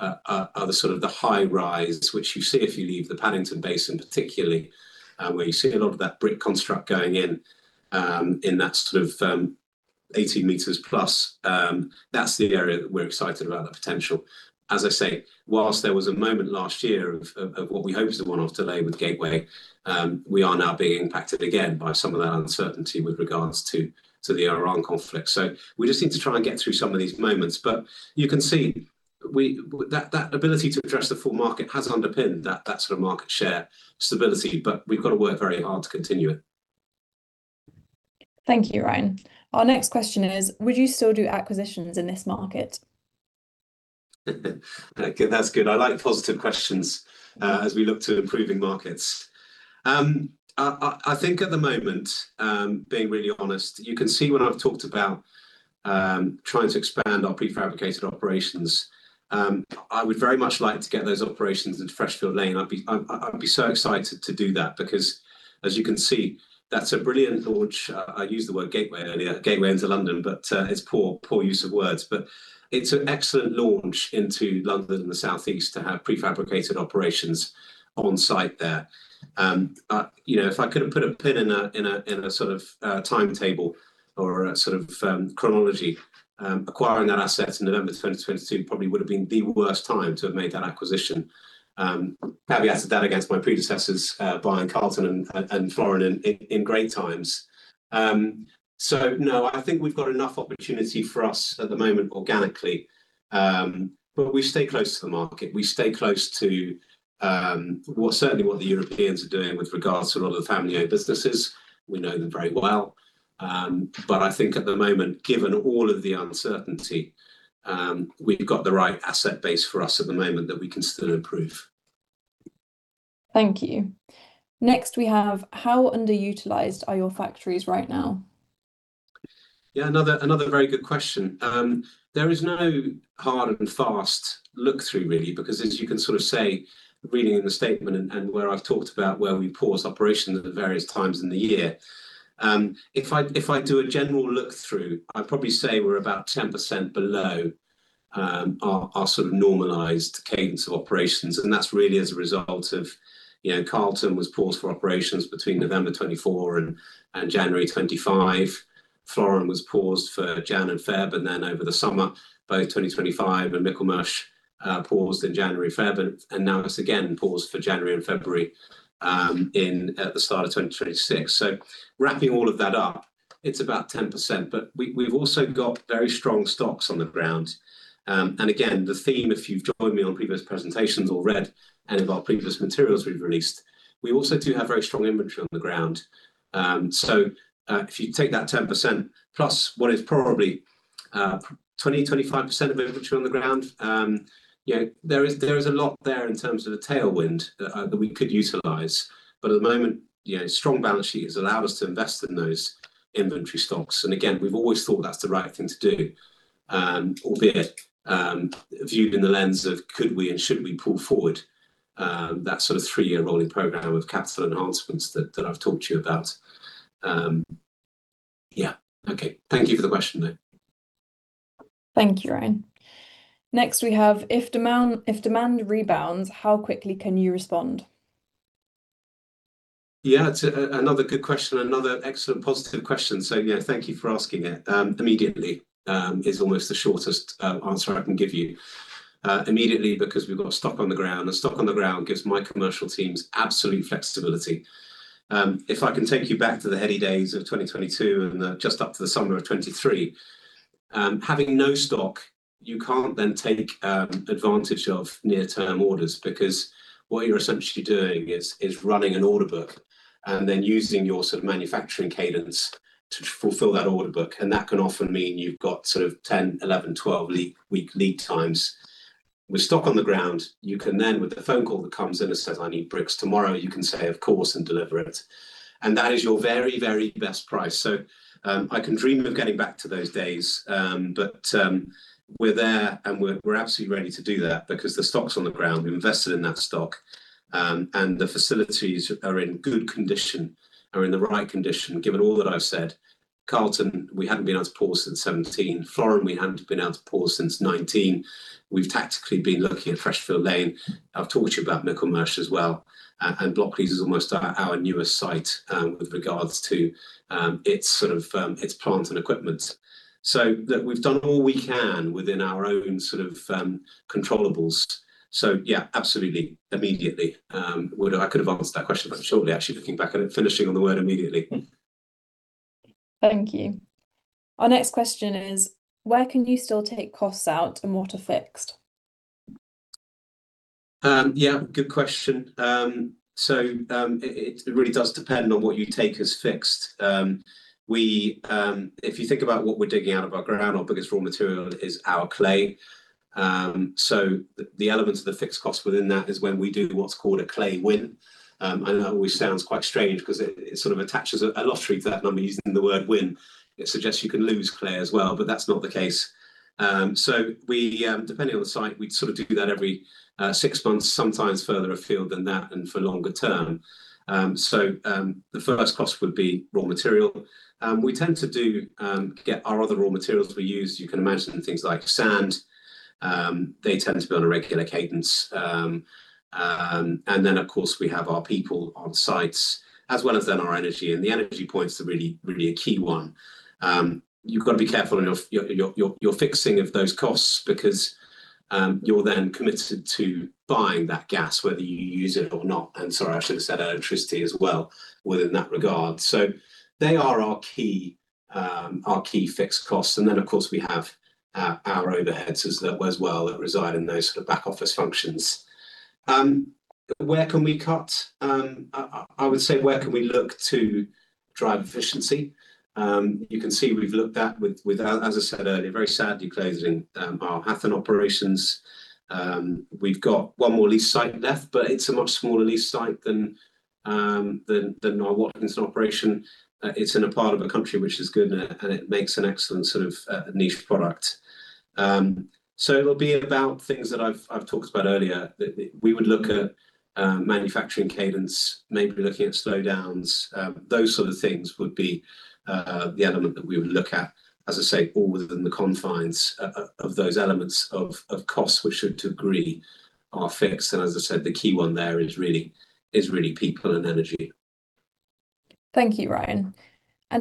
are the sort of high-rise which you see if you leave the Paddington Basin, particularly, where you see a lot of that brick construction going in that sort of 80 meters plus. That's the area that we're excited about, that potential. As I say, while there was a moment last year of what we hoped was a one-off delay with Gateway, we are now being impacted again by some of that uncertainty with regards to the Iran conflict. We just need to try and get through some of these moments. You can see that ability to address the full market has underpinned that sort of market share stability. We've got to work very hard to continue it.
Thank you, Ryan. Our next question is: would you still do acquisitions in this market?
Okay. That's good. I like positive questions as we look to improving markets. I think at the moment, being really honest, you can see when I've talked about trying to expand our prefabricated operations, I would very much like to get those operations into Freshfield Lane. I'd be so excited to do that because as you can see, that's a brilliant launch. I used the word gateway earlier, gateway into London, but it's poor use of words. It's an excellent launch into London and the South East to have prefabricated operations on site there. You know, if I could have put a pin in a sort of timetable or a sort of chronology, acquiring that asset in November 2022 probably would have been the worst time to have made that acquisition. Caveated that against my predecessors buying Carlton and Floren in great times. No, I think we've got enough opportunity for us at the moment organically. We stay close to the market. We stay close to what the Europeans are doing with regards to a lot of the family-owned businesses. We know them very well. I think at the moment, given all of the uncertainty, we've got the right asset base for us at the moment that we can still improve.
Thank you. Next, we have. How underutilized are your factories right now?
Yeah. Another very good question. There is no hard and fast look-through really, because as you can sort of say, reading in the statement and where I've talked about where we paused operations at the various times in the year. If I do a general look-through, I'd probably say we're about 10% below our sort of normalized cadence of operations, and that's really as a result of, you know, Carlton was paused for operations between November 2024 and January 2025. Floren was paused for January and February, and then over the summer both 2025, and Michelmersh paused in January, February and now it's again paused for January and February in at the start of 2026. Wrapping all of that up, it's about 10%. But we've also got very strong stocks on the ground. Again, the theme, if you've joined me on previous presentations or read any of our previous materials we've released, we also do have very strong inventory on the ground. If you take that 10% plus what is probably 25% of inventory on the ground, you know, there is a lot there in terms of the tailwind that we could utilize. At the moment, you know, strong balance sheet has allowed us to invest in those inventory stocks. Again, we've always thought that's the right thing to do, albeit viewed in the lens of could we and should we pull forward that sort of three-year rolling program of capital enhancements that I've talked to you about. Yeah. Okay. Thank you for the question, though.
Thank you, Ryan. Next, we have if demand rebounds, how quickly can you respond?
Yeah. It's another good question. Another excellent positive question, so yeah, thank you for asking it. Immediately is almost the shortest answer I can give you. Immediately because we've got stock on the ground and stock on the ground gives my commercial teams absolute flexibility. If I can take you back to the heady days of 2022 and just up to the summer of 2023, having no stock, you can't then take advantage of near-term orders because what you're essentially doing is running an order book and then using your sort of manufacturing cadence to fulfill that order book. That can often mean you've got sort of 10, 11, 12 week lead times. With stock on the ground, you can then, with a phone call that comes in and says, "I need bricks tomorrow," you can say, "Of course," and deliver it. That is your very, very best price. I can dream of getting back to those days. We're there, and we're absolutely ready to do that because the stock's on the ground. We invested in that stock. The facilities are in good condition, are in the right condition, given all that I've said. Carlton, we hadn't been out of production since 2017. Floren, we hadn't been out of production since 2019. We've tactically been looking at Freshfield Lane. I've talked to you about Michelmersh as well. Blockleys is almost our newest site, with regards to its sort of its plant and equipment. Look, we've done all we can within our own sort of controllables. Yeah, absolutely, immediately. I could have answered that question that shortly actually looking back on it, finishing on the word immediately.
Thank you. Our next question is: where can you still take costs out and what are fixed?
Yeah, good question. It really does depend on what you take as fixed. If you think about what we're digging out of our ground, our biggest raw material is our clay. The elements of the fixed cost within that is when we do what's called a clay winning. I know that always sounds quite strange 'cause it sort of attaches a lottery to that number using the word win. It suggests you can lose clay as well, but that's not the case. We depending on the site, we'd sort of do that every six months, sometimes further afield than that and for longer term. The first cost would be raw material. We tend to get our other raw materials we use, you can imagine things like sand. They tend to be on a regular cadence. Of course we have our people on sites as well as then our energy, and the energy point's the really, really key one. You've gotta be careful in your fixing of those costs because you're then committed to buying that gas whether you use it or not, and so I should've said our electricity as well within that regard. They are our key fixed costs and then of course we have our overheads as well that reside in those sort of back office functions. Where can we cut? I would say where can we look to drive efficiency? You can see we've looked at, as I said earlier, very sadly closing our Hathern operations. We've got one more lease site left, but it's a much smaller lease site than our Watlington operation. It's in a part of the country which is good and it makes an excellent sort of niche product. So it'll be about things that I've talked about earlier. We would look at manufacturing cadence, maybe looking at slowdowns. Those sort of things would be the element that we would look at. As I say, all within the confines of those elements of costs which should, to a degree, are fixed, and as I said, the key one there is really people and energy.
Thank you, Ryan.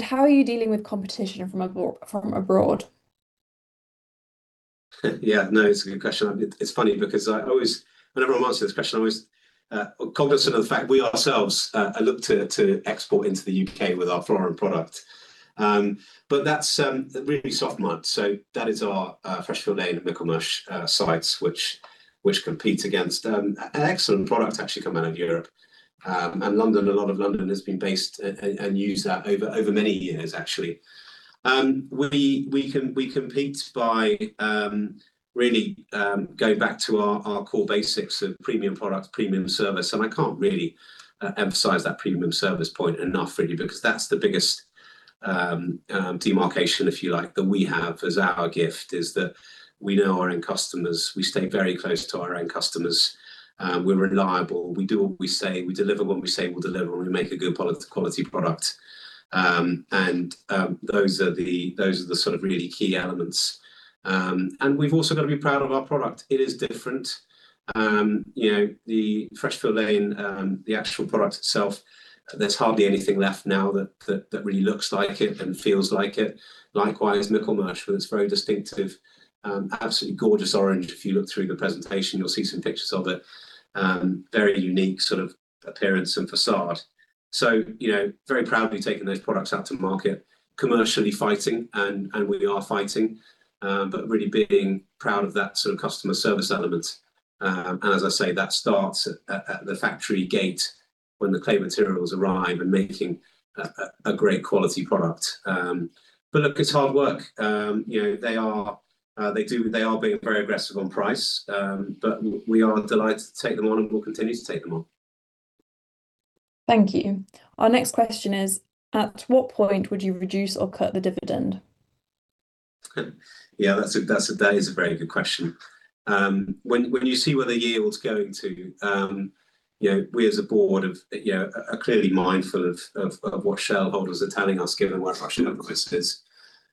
How are you dealing with competition from abroad?
Yeah, no, it's a good question. It's funny because when everyone asks me this question, I always am cognizant of the fact we ourselves look to export into the UK with our flooring product. But that's really soft mud, so that is our Freshfield Lane and Michelmersh sites which compete against excellent products actually come out of Europe. London, a lot of London has been built and uses that over many years actually. We compete by really going back to our core basics of premium product, premium service, and I can't really emphasize that premium service point enough really because that's the biggest demarcation if you like that we have as our gift is that we know our own customers. We stay very close to our own customers. We're reliable. We do what we say. We deliver what we say we'll deliver, and we make a good quality product. Those are the sort of really key elements. We've also gotta be proud of our product. It is different. You know, the Freshfield Lane, the actual product itself, there's hardly anything left now that really looks like it and feels like it. Likewise Michelmersh with its very distinctive, absolutely gorgeous orange. If you look through the presentation you'll see some pictures of it. Very unique sort of appearance and facade. You know, very proudly taking those products out to the market, commercially fighting, and we are fighting, but really being proud of that sort of customer service element. As I say, that starts at the factory gate when the clay materials arrive and making a great quality product. Look, it's hard work. You know, they are being very aggressive on price. We are delighted to take them on and will continue to take them on.
Thank you. Our next question is: at what point would you reduce or cut the dividend?
Yeah, that's a very good question. When you see where the yield's going to, you know, we as a board have, you know, are clearly mindful of what shareholders are telling us given where our share price is.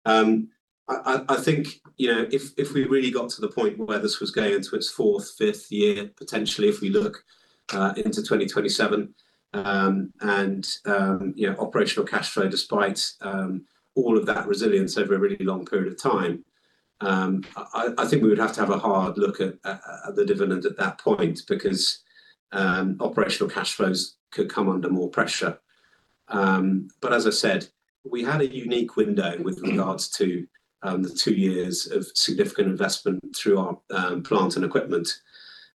I think, you know, if we really got to the point where this was going into its fourth, fifth year potentially if we look into 2027, and you know, operational cashflow despite all of that resilience over a really long period of time, I think we would have to have a hard look at the dividend at that point because operational cashflows could come under more pressure. As I said, we had a unique window with regards to the two years of significant investment through our plant and equipment.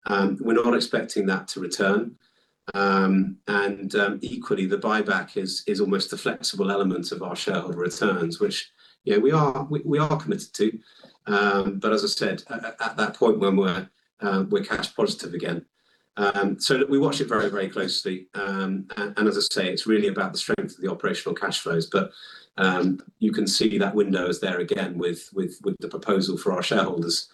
We're not expecting that to return. Equally the buyback is almost the flexible element of our shareholder returns which, you know, we are committed to, as I said, at that point when we're cash positive again. Look, we watch it very closely. As I say, it's really about the strength of the operational cashflows, but you can see that window is there again with the proposal for our shareholders,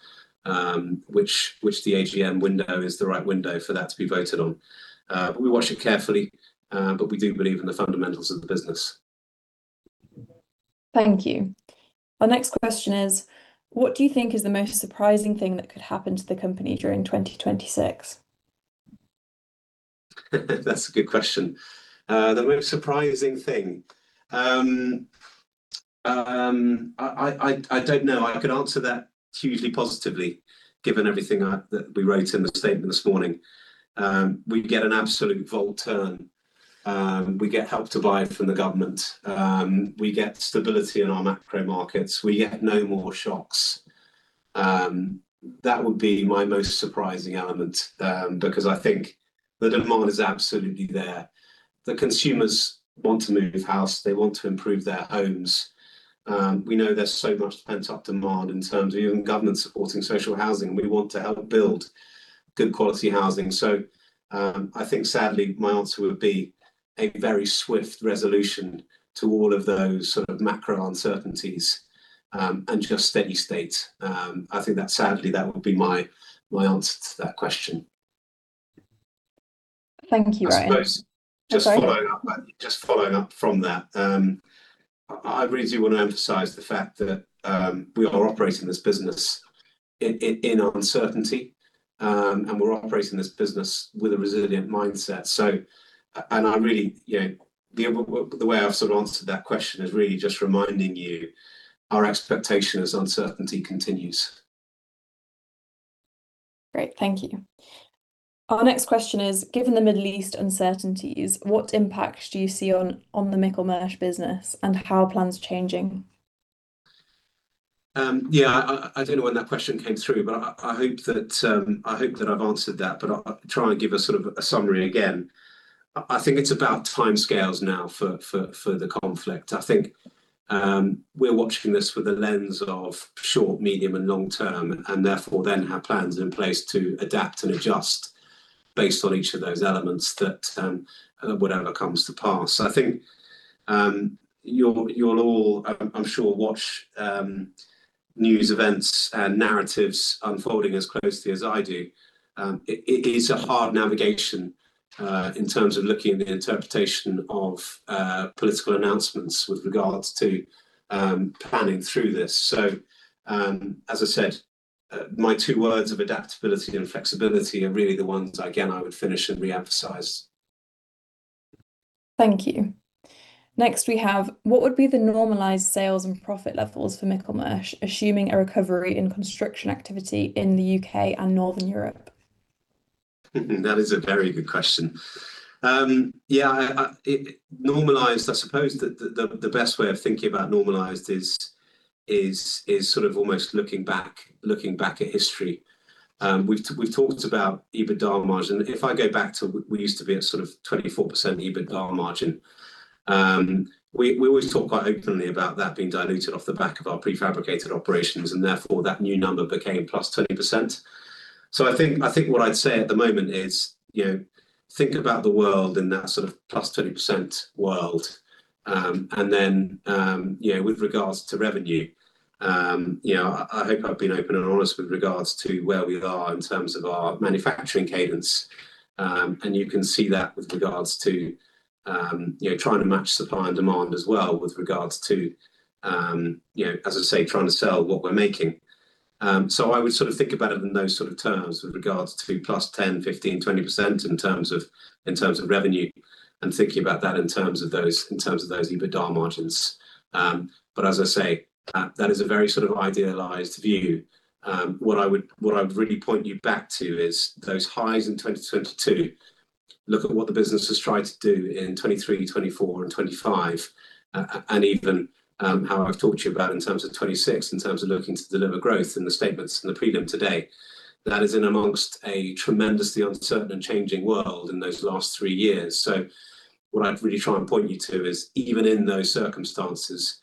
which the AGM window is the right window for that to be voted on. We watch it carefully, but we do believe in the fundamentals of the business.
Thank you. Our next question is: what do you think is the most surprising thing that could happen to the company during 2026?
That's a good question. The most surprising thing. I don't know. I could answer that hugely positively given everything that we wrote in the statement this morning. We get an absolute about-turn. We get Help to Buy from the government. We get stability in our macro markets. We get no more shocks. That would be my most surprising element, because I think the demand is absolutely there. The consumers want to move house. They want to improve their homes. We know there's so much pent-up demand in terms of even government supporting social housing. We want to help build good quality housing. I think sadly, my answer would be a very swift resolution to all of those sort of macro uncertainties, and just steady state. I think that sadly, that would be my answer to that question.
Thank you, Ryan.
I suppose-
Go ahead.
Just following up from that, I really do want to emphasize the fact that we are operating this business in uncertainty, and we're operating this business with a resilient mindset. I really, you know, the way I've sort of answered that question is really just reminding you our expectation is uncertainty continues.
Great. Thank you. Our next question is, given the Middle East uncertainties, what impacts do you see on the Michelmersh business and how are plans changing?
Yeah, I don't know when that question came through, but I hope that I've answered that. I'll try and give a sort of a summary again. I think it's about timescales now for the conflict. I think we're watching this with a lens of short, medium, and long term, and therefore then have plans in place to adapt and adjust based on each of those elements that whatever comes to pass. I think you'll all, I'm sure, watch news events and narratives unfolding as closely as I do. It is a hard navigation in terms of looking at the interpretation of political announcements with regards to planning through this. As I said, my two words of adaptability and flexibility are really the ones, again, I would finish and re-emphasize.
Thank you. Next, we have what would be the normalized sales and profit levels for Michelmersh, assuming a recovery in construction activity in the U.K. and Northern Europe?
That is a very good question. Normalized, I suppose the best way of thinking about normalized is sort of almost looking back at history. We've talked about EBITDA margin. If I go back, we used to be at sort of 24% EBITDA margin. We always talk quite openly about that being diluted off the back of our prefabricated operations, and therefore that new number became +20%. I think what I'd say at the moment is, you know, think about the world in that sort of +20% world. Then, you know, with regards to revenue, you know, I hope I've been open and honest with regards to where we are in terms of our manufacturing cadence. You can see that with regards to, you know, trying to match supply and demand as well with regards to, you know, as I say, trying to sell what we're making. I would sort of think about it in those sort of terms with regards to plus 10, 15, 20% in terms of revenue and thinking about that in terms of those EBITDA margins. As I say, that is a very sort of idealized view. What I would really point you back to is those highs in 2022. Look at what the business has tried to do in 2023, 2024 and 2025, and even how I've talked to you about in terms of 2026, in terms of looking to deliver growth in the statements in the prelim today. That is among a tremendously uncertain and changing world in those last three years. What I'd really try and point you to is even in those circumstances,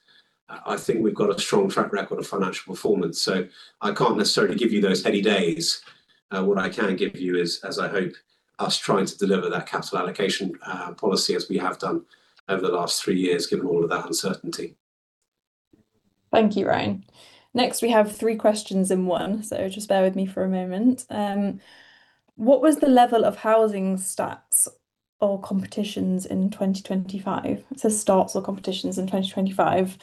I think we've got a strong track record of financial performance. I can't necessarily give you those heady days. What I can give you is, as I hope, us trying to deliver that capital allocation policy as we have done over the last three years, given all of that uncertainty.
Thank you, Ryan. Next, we have three questions in one, so just bear with me for a moment. What was the level of housing starts or completions in 2025? It says starts or completions in 2025.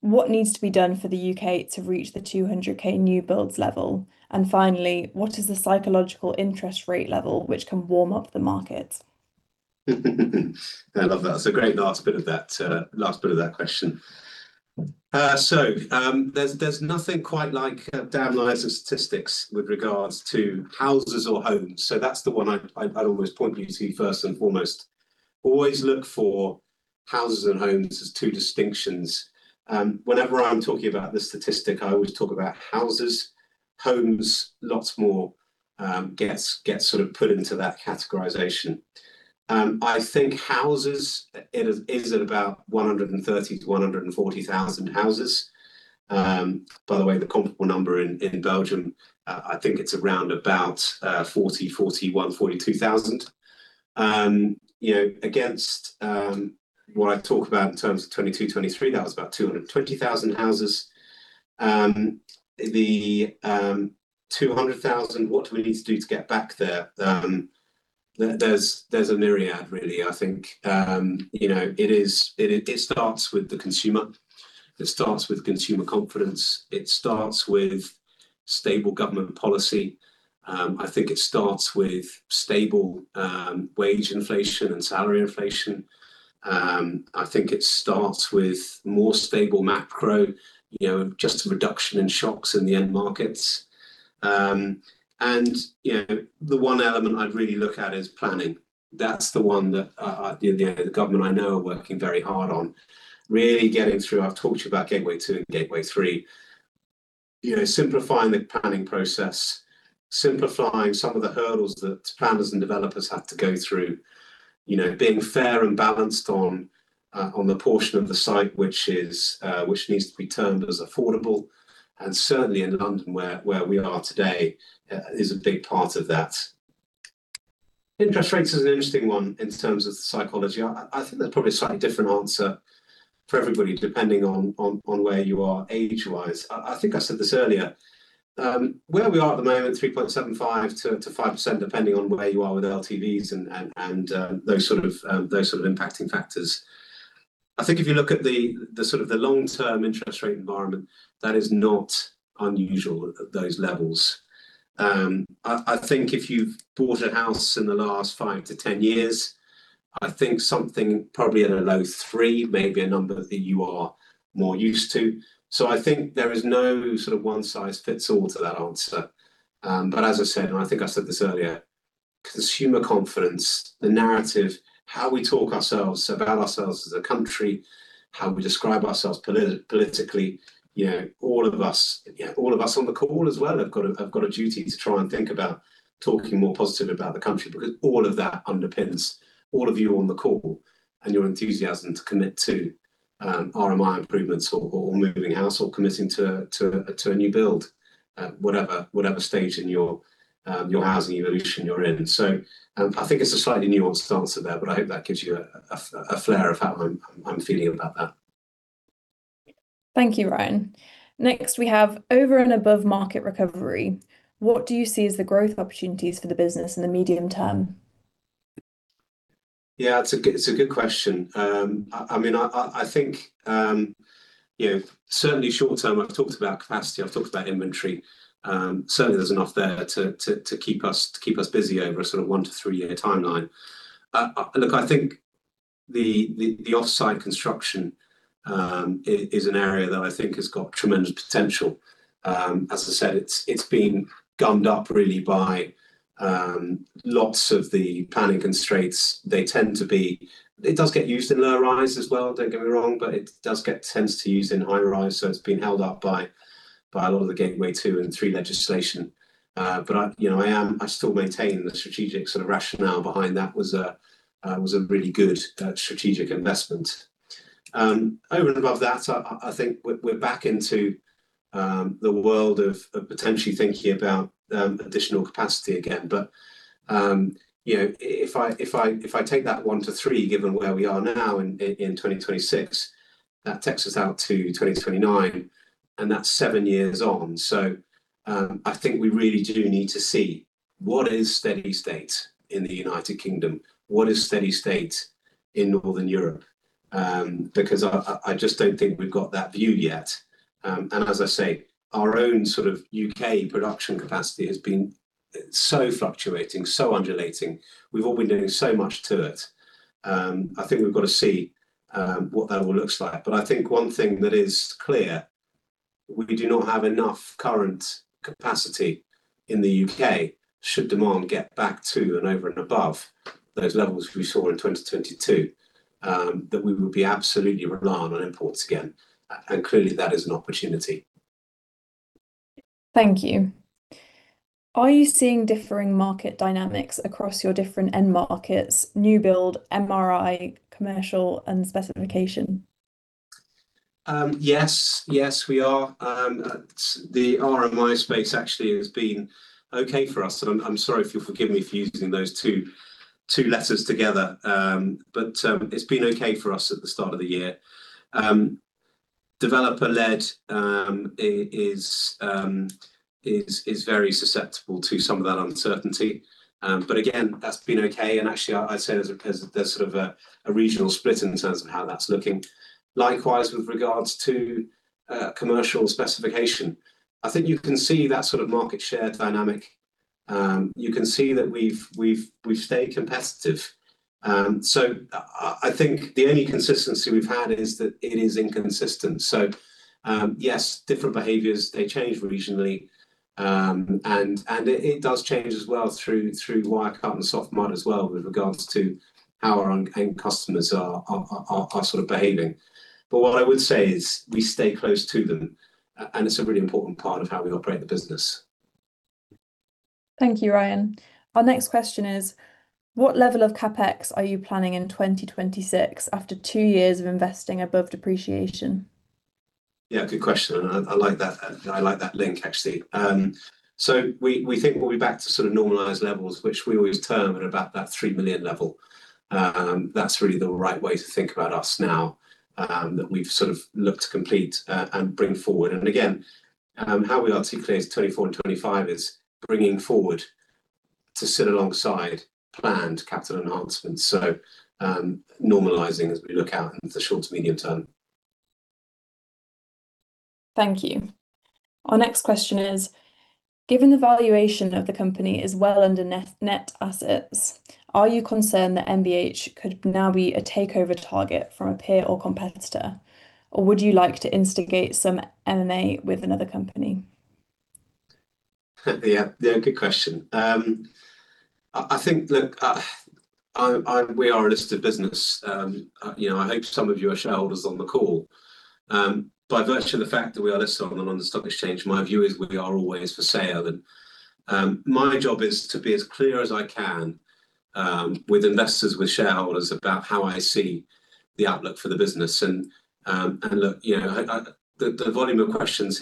What needs to be done for the U.K. to reach the 200k new builds level? What is the psychological interest rate level which can warm up the market?
I love that. It's a great last bit of that question. There's nothing quite like a dam of statistics with regards to houses or homes. That's the one I'd always point you to first and foremost. Always look for houses and homes as two distinctions. Whenever I'm talking about the statistic, I always talk about houses. Homes, lots more gets sort of put into that categorization. I think houses it is at about 130-140 thousand houses. By the way, the comparable number in Belgium, I think it's around about 40-42 thousand. You know, against what I talk about in terms of 2022, 2023, that was about 220,000 houses. The 200,000, what do we need to do to get back there? There's a myriad really, I think. You know, it starts with the consumer. It starts with consumer confidence. It starts with stable government policy. I think it starts with stable wage inflation and salary inflation. I think it starts with more stable macro, you know, just a reduction in shocks in the end markets. You know, the one element I'd really look at is planning. That's the one that, you know, the government I know are working very hard on really getting through. I've talked to you about Gateway Two and Gateway Three. You know, simplifying the planning process, simplifying some of the hurdles that planners and developers have to go through. You know, being fair and balanced on the portion of the site which needs to be termed as affordable, and certainly in London where we are today is a big part of that. Interest rates is an interesting one in terms of the psychology. I think there's probably a slightly different answer for everybody depending on where you are age-wise. I think I said this earlier. Where we are at the moment, 3.75%-5%, depending on where you are with LTVs and those sort of impacting factors. I think if you look at the sort of the long-term interest rate environment, that is not unusual at those levels. I think if you've bought a house in the last 5-10 years, I think something probably at a low three may be a number that you are more used to. I think there is no sort of one size fits all to that answer. As I said, and I think I said this earlier, consumer confidence, the narrative, how we talk to ourselves about ourselves as a country, how we describe ourselves politically, you know, all of us on the call as well have got a duty to try and think about talking more positive about the country, because all of that underpins all of you on the call and your enthusiasm to commit to RMI improvements or moving house or committing to a new build at whatever stage in your housing evolution you're in. I think it's a slightly nuanced answer there, but I hope that gives you a flair of how I'm feeling about that.
Thank you, Ryan. Next, we have over and above market recovery, what do you see as the growth opportunities for the business in the medium term?
It's a good question. I mean, I think, you know, certainly short term, I've talked about capacity, I've talked about inventory. Certainly, there's enough there to keep us busy over a sort of one to three-year timeline. Look, I think the offsite construction is an area that I think has got tremendous potential. As I said, it's been gummed up really by lots of the planning constraints. They tend to be. It does get used in low-rise as well, don't get me wrong, but it does tend to get used in high-rise, so it's been held up by a lot of the Gateway Two and Gateway Three legislation. I still maintain the strategic sort of rationale behind that was a really good strategic investment. Over and above that, I think we're back into the world of potentially thinking about additional capacity again. You know, if I take that 1-3, given where we are now in 2026, that takes us out to 2029, and that's seven years on. I think we really do need to see what is steady state in the United Kingdom, what is steady state in Northern Europe, because I just don't think we've got that view yet. As I say, our own sort of U.K. production capacity has been so fluctuating, so undulating. We've all been doing so much to it. I think we've got to see what that all looks like. I think one thing that is clear, we do not have enough current capacity in the U.K. should demand get back to and over and above those levels we saw in 2022, that we would be absolutely reliant on imports again. Clearly that is an opportunity.
Thank you. Are you seeing differing market dynamics across your different end markets, new build, RMI, commercial and specification?
Yes. Yes, we are. The RMI space actually has been okay for us. I'm sorry if you'll forgive me for using those two letters together. But it's been okay for us at the start of the year. Developer-led is very susceptible to some of that uncertainty. But again, that's been okay. Actually, I'd say there's sort of a regional split in terms of how that's looking. Likewise, with regards to commercial specification, I think you can see that sort of market share dynamic. You can see that we've stayed competitive. I think the only consistency we've had is that it is inconsistent. Yes, different behaviors change regionally. It does change as well through wire cut and soft mud as well with regards to how our end customers are sort of behaving. What I would say is we stay close to them, and it's a really important part of how we operate the business.
Thank you, Ryan. Our next question is, what level of CapEx are you planning in 2026 after two years of investing above depreciation?
Yeah, good question. I like that. I like that link, actually. We think we'll be back to sort of normalized levels, which we always term at about that 3 million level. That's really the right way to think about us now, that we've sort of looked to complete and bring forward. Again, how we obviously clear 2024 and 2025 is bringing forward to sit alongside planned capital enhancements. Normalizing as we look out into the short to medium term.
Thank you. Our next question is, given the valuation of the company is well under net net assets, are you concerned that MBH could now be a takeover target from a peer or competitor? Or would you like to instigate some M&A with another company?
Yeah. Yeah, good question. I think, look, we are a listed business. You know, I hope some of you are shareholders on the call. By virtue of the fact that we are listed on the stock exchange, my view is we are always for sale. My job is to be as clear as I can with investors, with shareholders, about how I see the outlook for the business. Look, you know, the volume of questions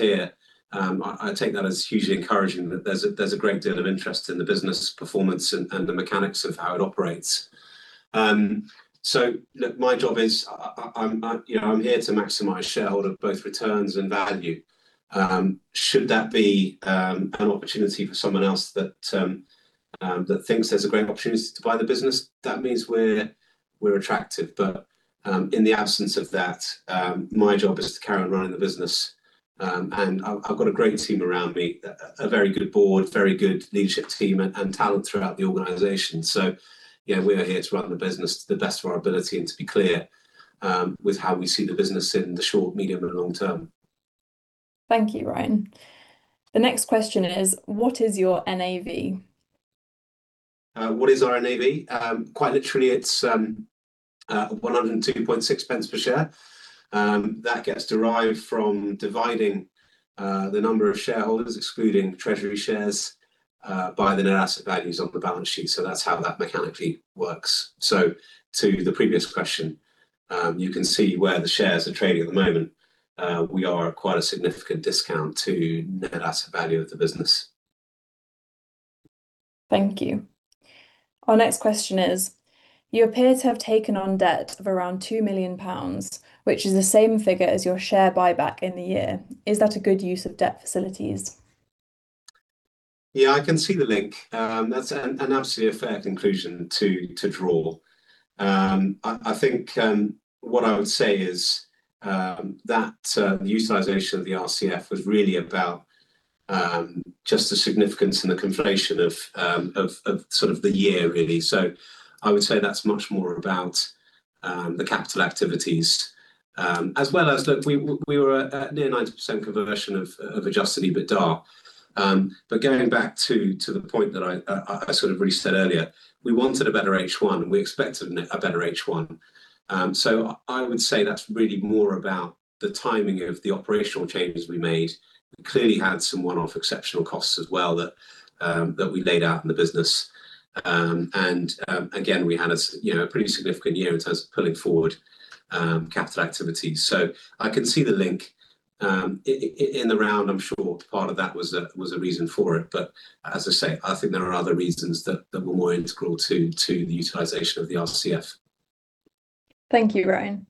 here, I take that as hugely encouraging. That there's a great deal of interest in the business performance and the mechanics of how it operates. Look, my job is I'm here to maximize shareholder both returns and value. Should that be an opportunity for someone else that thinks there's a great opportunity to buy the business, that means we're attractive. In the absence of that, my job is to carry on running the business. I've got a great team around me. A very good board, very good leadership team and talent throughout the organization. Yeah, we are here to run the business to the best of our ability, and to be clear, with how we see the business in the short, medium, and long term.
Thank you, Ryan. The next question is: What is your NAV?
What is our NAV? Quite literally it's 102.6 pence per share. That gets derived from dividing the net asset value on the balance sheet by the number of shares excluding treasury shares, so that's how that mechanically works. To the previous question, you can see where the shares are trading at the moment. We are at quite a significant discount to net asset value of the business.
Thank you. Our next question is: You appear to have taken on debt of around 2 million pounds, which is the same figure as your share buyback in the year. Is that a good use of debt facilities?
Yeah, I can see the link. That's an absolutely fair conclusion to draw. I think what I would say is that the utilization of the RCF was really about just the significance and the conflation of sort of the year really. I would say that's much more about the capital activities. As well as, look, we were a near 90% conversion of adjusted EBITDA. Going back to the point that I sort of really said earlier, we wanted a better H1, we expected a better H1. I would say that's really more about the timing of the operational changes we made. Clearly, we had some one-off exceptional costs as well that we laid out in the business. Again, we had you know, a pretty significant year in terms of pulling forward capital activities. I can see the link. In the round I'm sure part of that was a reason for it, but as I say, I think there are other reasons that were more integral to the utilization of the RCF.
Thank you, Ryan.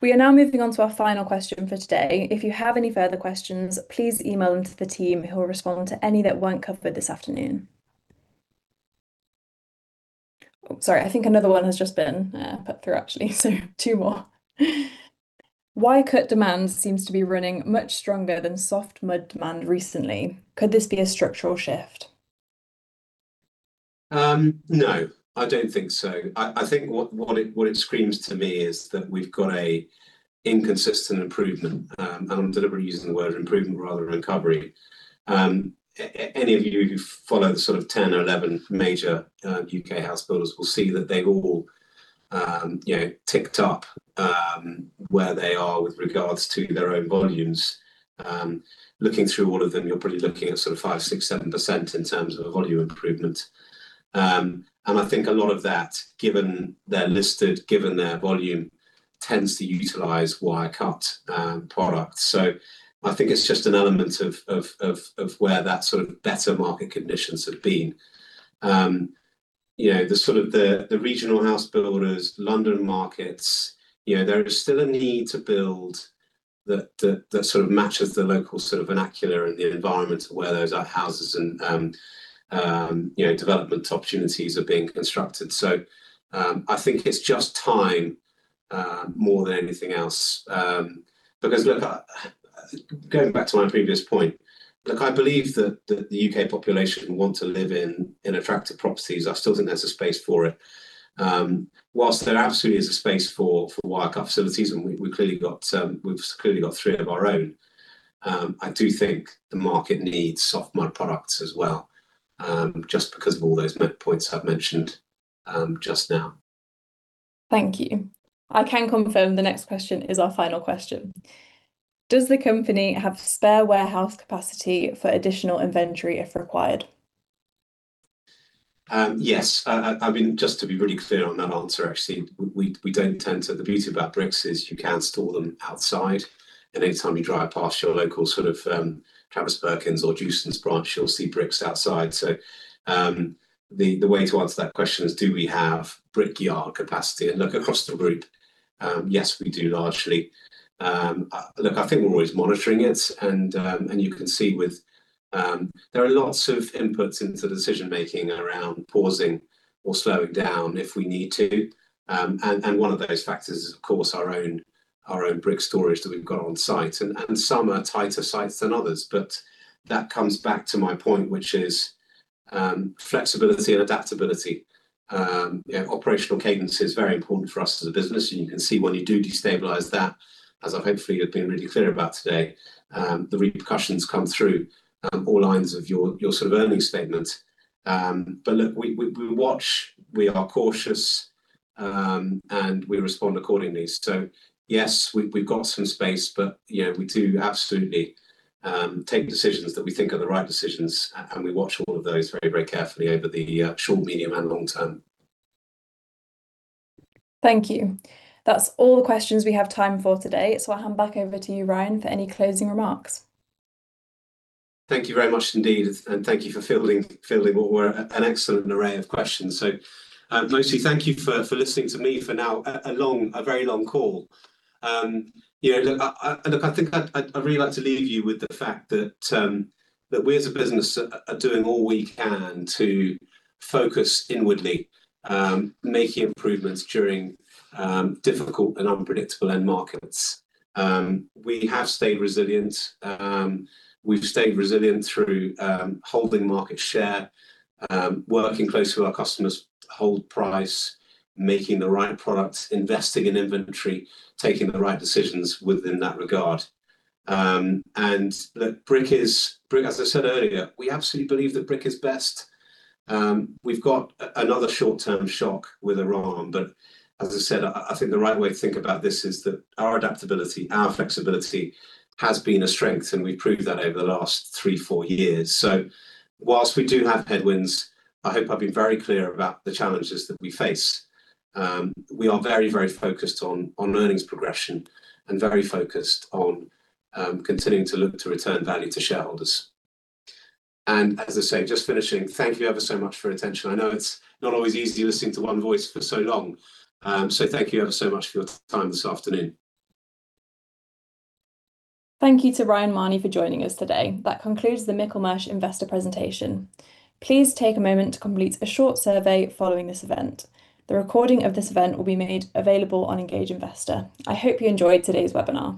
We are now moving on to our final question for today. If you have any further questions, please email them to the team who will respond to any that weren't covered this afternoon. Oh, sorry, I think another one has just been put through actually, so two more. Wire cut demand seems to be running much stronger than soft mud demand recently. Could this be a structural shift?
No, I don't think so. I think what it screams to me is that we've got an inconsistent improvement. I'm deliberately using the word improvement rather than recovery. Any of you who follow the sort of 10 or 11 major U.K. house builders will see that they all, you know, ticked up where they are with regards to their own volumes. Looking through all of them, you're probably looking at sort of 5%-7% in terms of volume improvement. I think a lot of that, given they're listed, given their volume, tends to utilize wire cut products. I think it's just an element of where that sort of better market conditions have been. You know, the sort of the regional house builders, London markets, you know, there is still a need to build that sort of matches the local sort of vernacular and the environment where those houses and our development opportunities are being constructed. I think it's just time, more than anything else. Because look, going back to my previous point, look, I believe that the U.K. population want to live in attractive properties. I still think there's a space for it. While there absolutely is a space for wire cut facilities, and we've clearly got three of our own. I do think the market needs soft mud products as well, just because of all those points I've mentioned just now.
Thank you. I can confirm the next question is our final question. Does the company have spare warehouse capacity for additional inventory if required?
Yes. I mean, just to be really clear on that answer actually, the beauty about bricks is you can store them outside, and any time you drive past your local sort of Travis Perkins or Jewson’s branch, you’ll see bricks outside. The way to answer that question is, do we have brick yard capacity? Look, across the group, yes, we do largely. Look, I think we’re always monitoring it, and you can see there are lots of inputs into decision making around pausing or slowing down if we need to. One of those factors is of course our own brick storage that we’ve got on site. Some are tighter sites than others. That comes back to my point, which is flexibility and adaptability. You know, operational cadence is very important for us as a business. You can see when you do destabilize that, as I hopefully have been really clear about today, the repercussions come through all lines of your sort of earnings statement. Look, we watch, we are cautious, and we respond accordingly. Yes, we've got some space, but you know, we do absolutely take decisions that we think are the right decisions, and we watch all of those very, very carefully over the short, medium, and long term.
Thank you. That's all the questions we have time for today, so I'll hand back over to you, Ryan, for any closing remarks.
Thank you very much indeed, and thank you for fielding what were an excellent array of questions. Mostly thank you for listening to me for now a very long call. You know, look, I think I'd really like to leave you with the fact that we as a business are doing all we can to focus inwardly, making improvements during difficult and unpredictable end markets. We have stayed resilient. We've stayed resilient through holding market share, working closely with our customers, holding price, making the right products, investing in inventory, taking the right decisions within that regard. Look, brick is brick, as I said earlier, we absolutely believe that brick is best. We've got another short-term shock with Iran, but as I said, I think the right way to think about this is that our adaptability, our flexibility has been a strength, and we've proved that over the last three, four years. While we do have headwinds, I hope I've been very clear about the challenges that we face. We are very focused on earnings progression and very focused on continuing to look to return value to shareholders. As I say, just finishing, thank you ever so much for your attention. I know it's not always easy listening to one voice for so long, so thank you ever so much for your time this afternoon.
Thank you to Ryan Mahoney for joining us today. That concludes the Michelmersh Investor Presentation. Please take a moment to complete a short survey following this event. The recording of this event will be made available on Engage Investor. I hope you enjoyed today's webinar.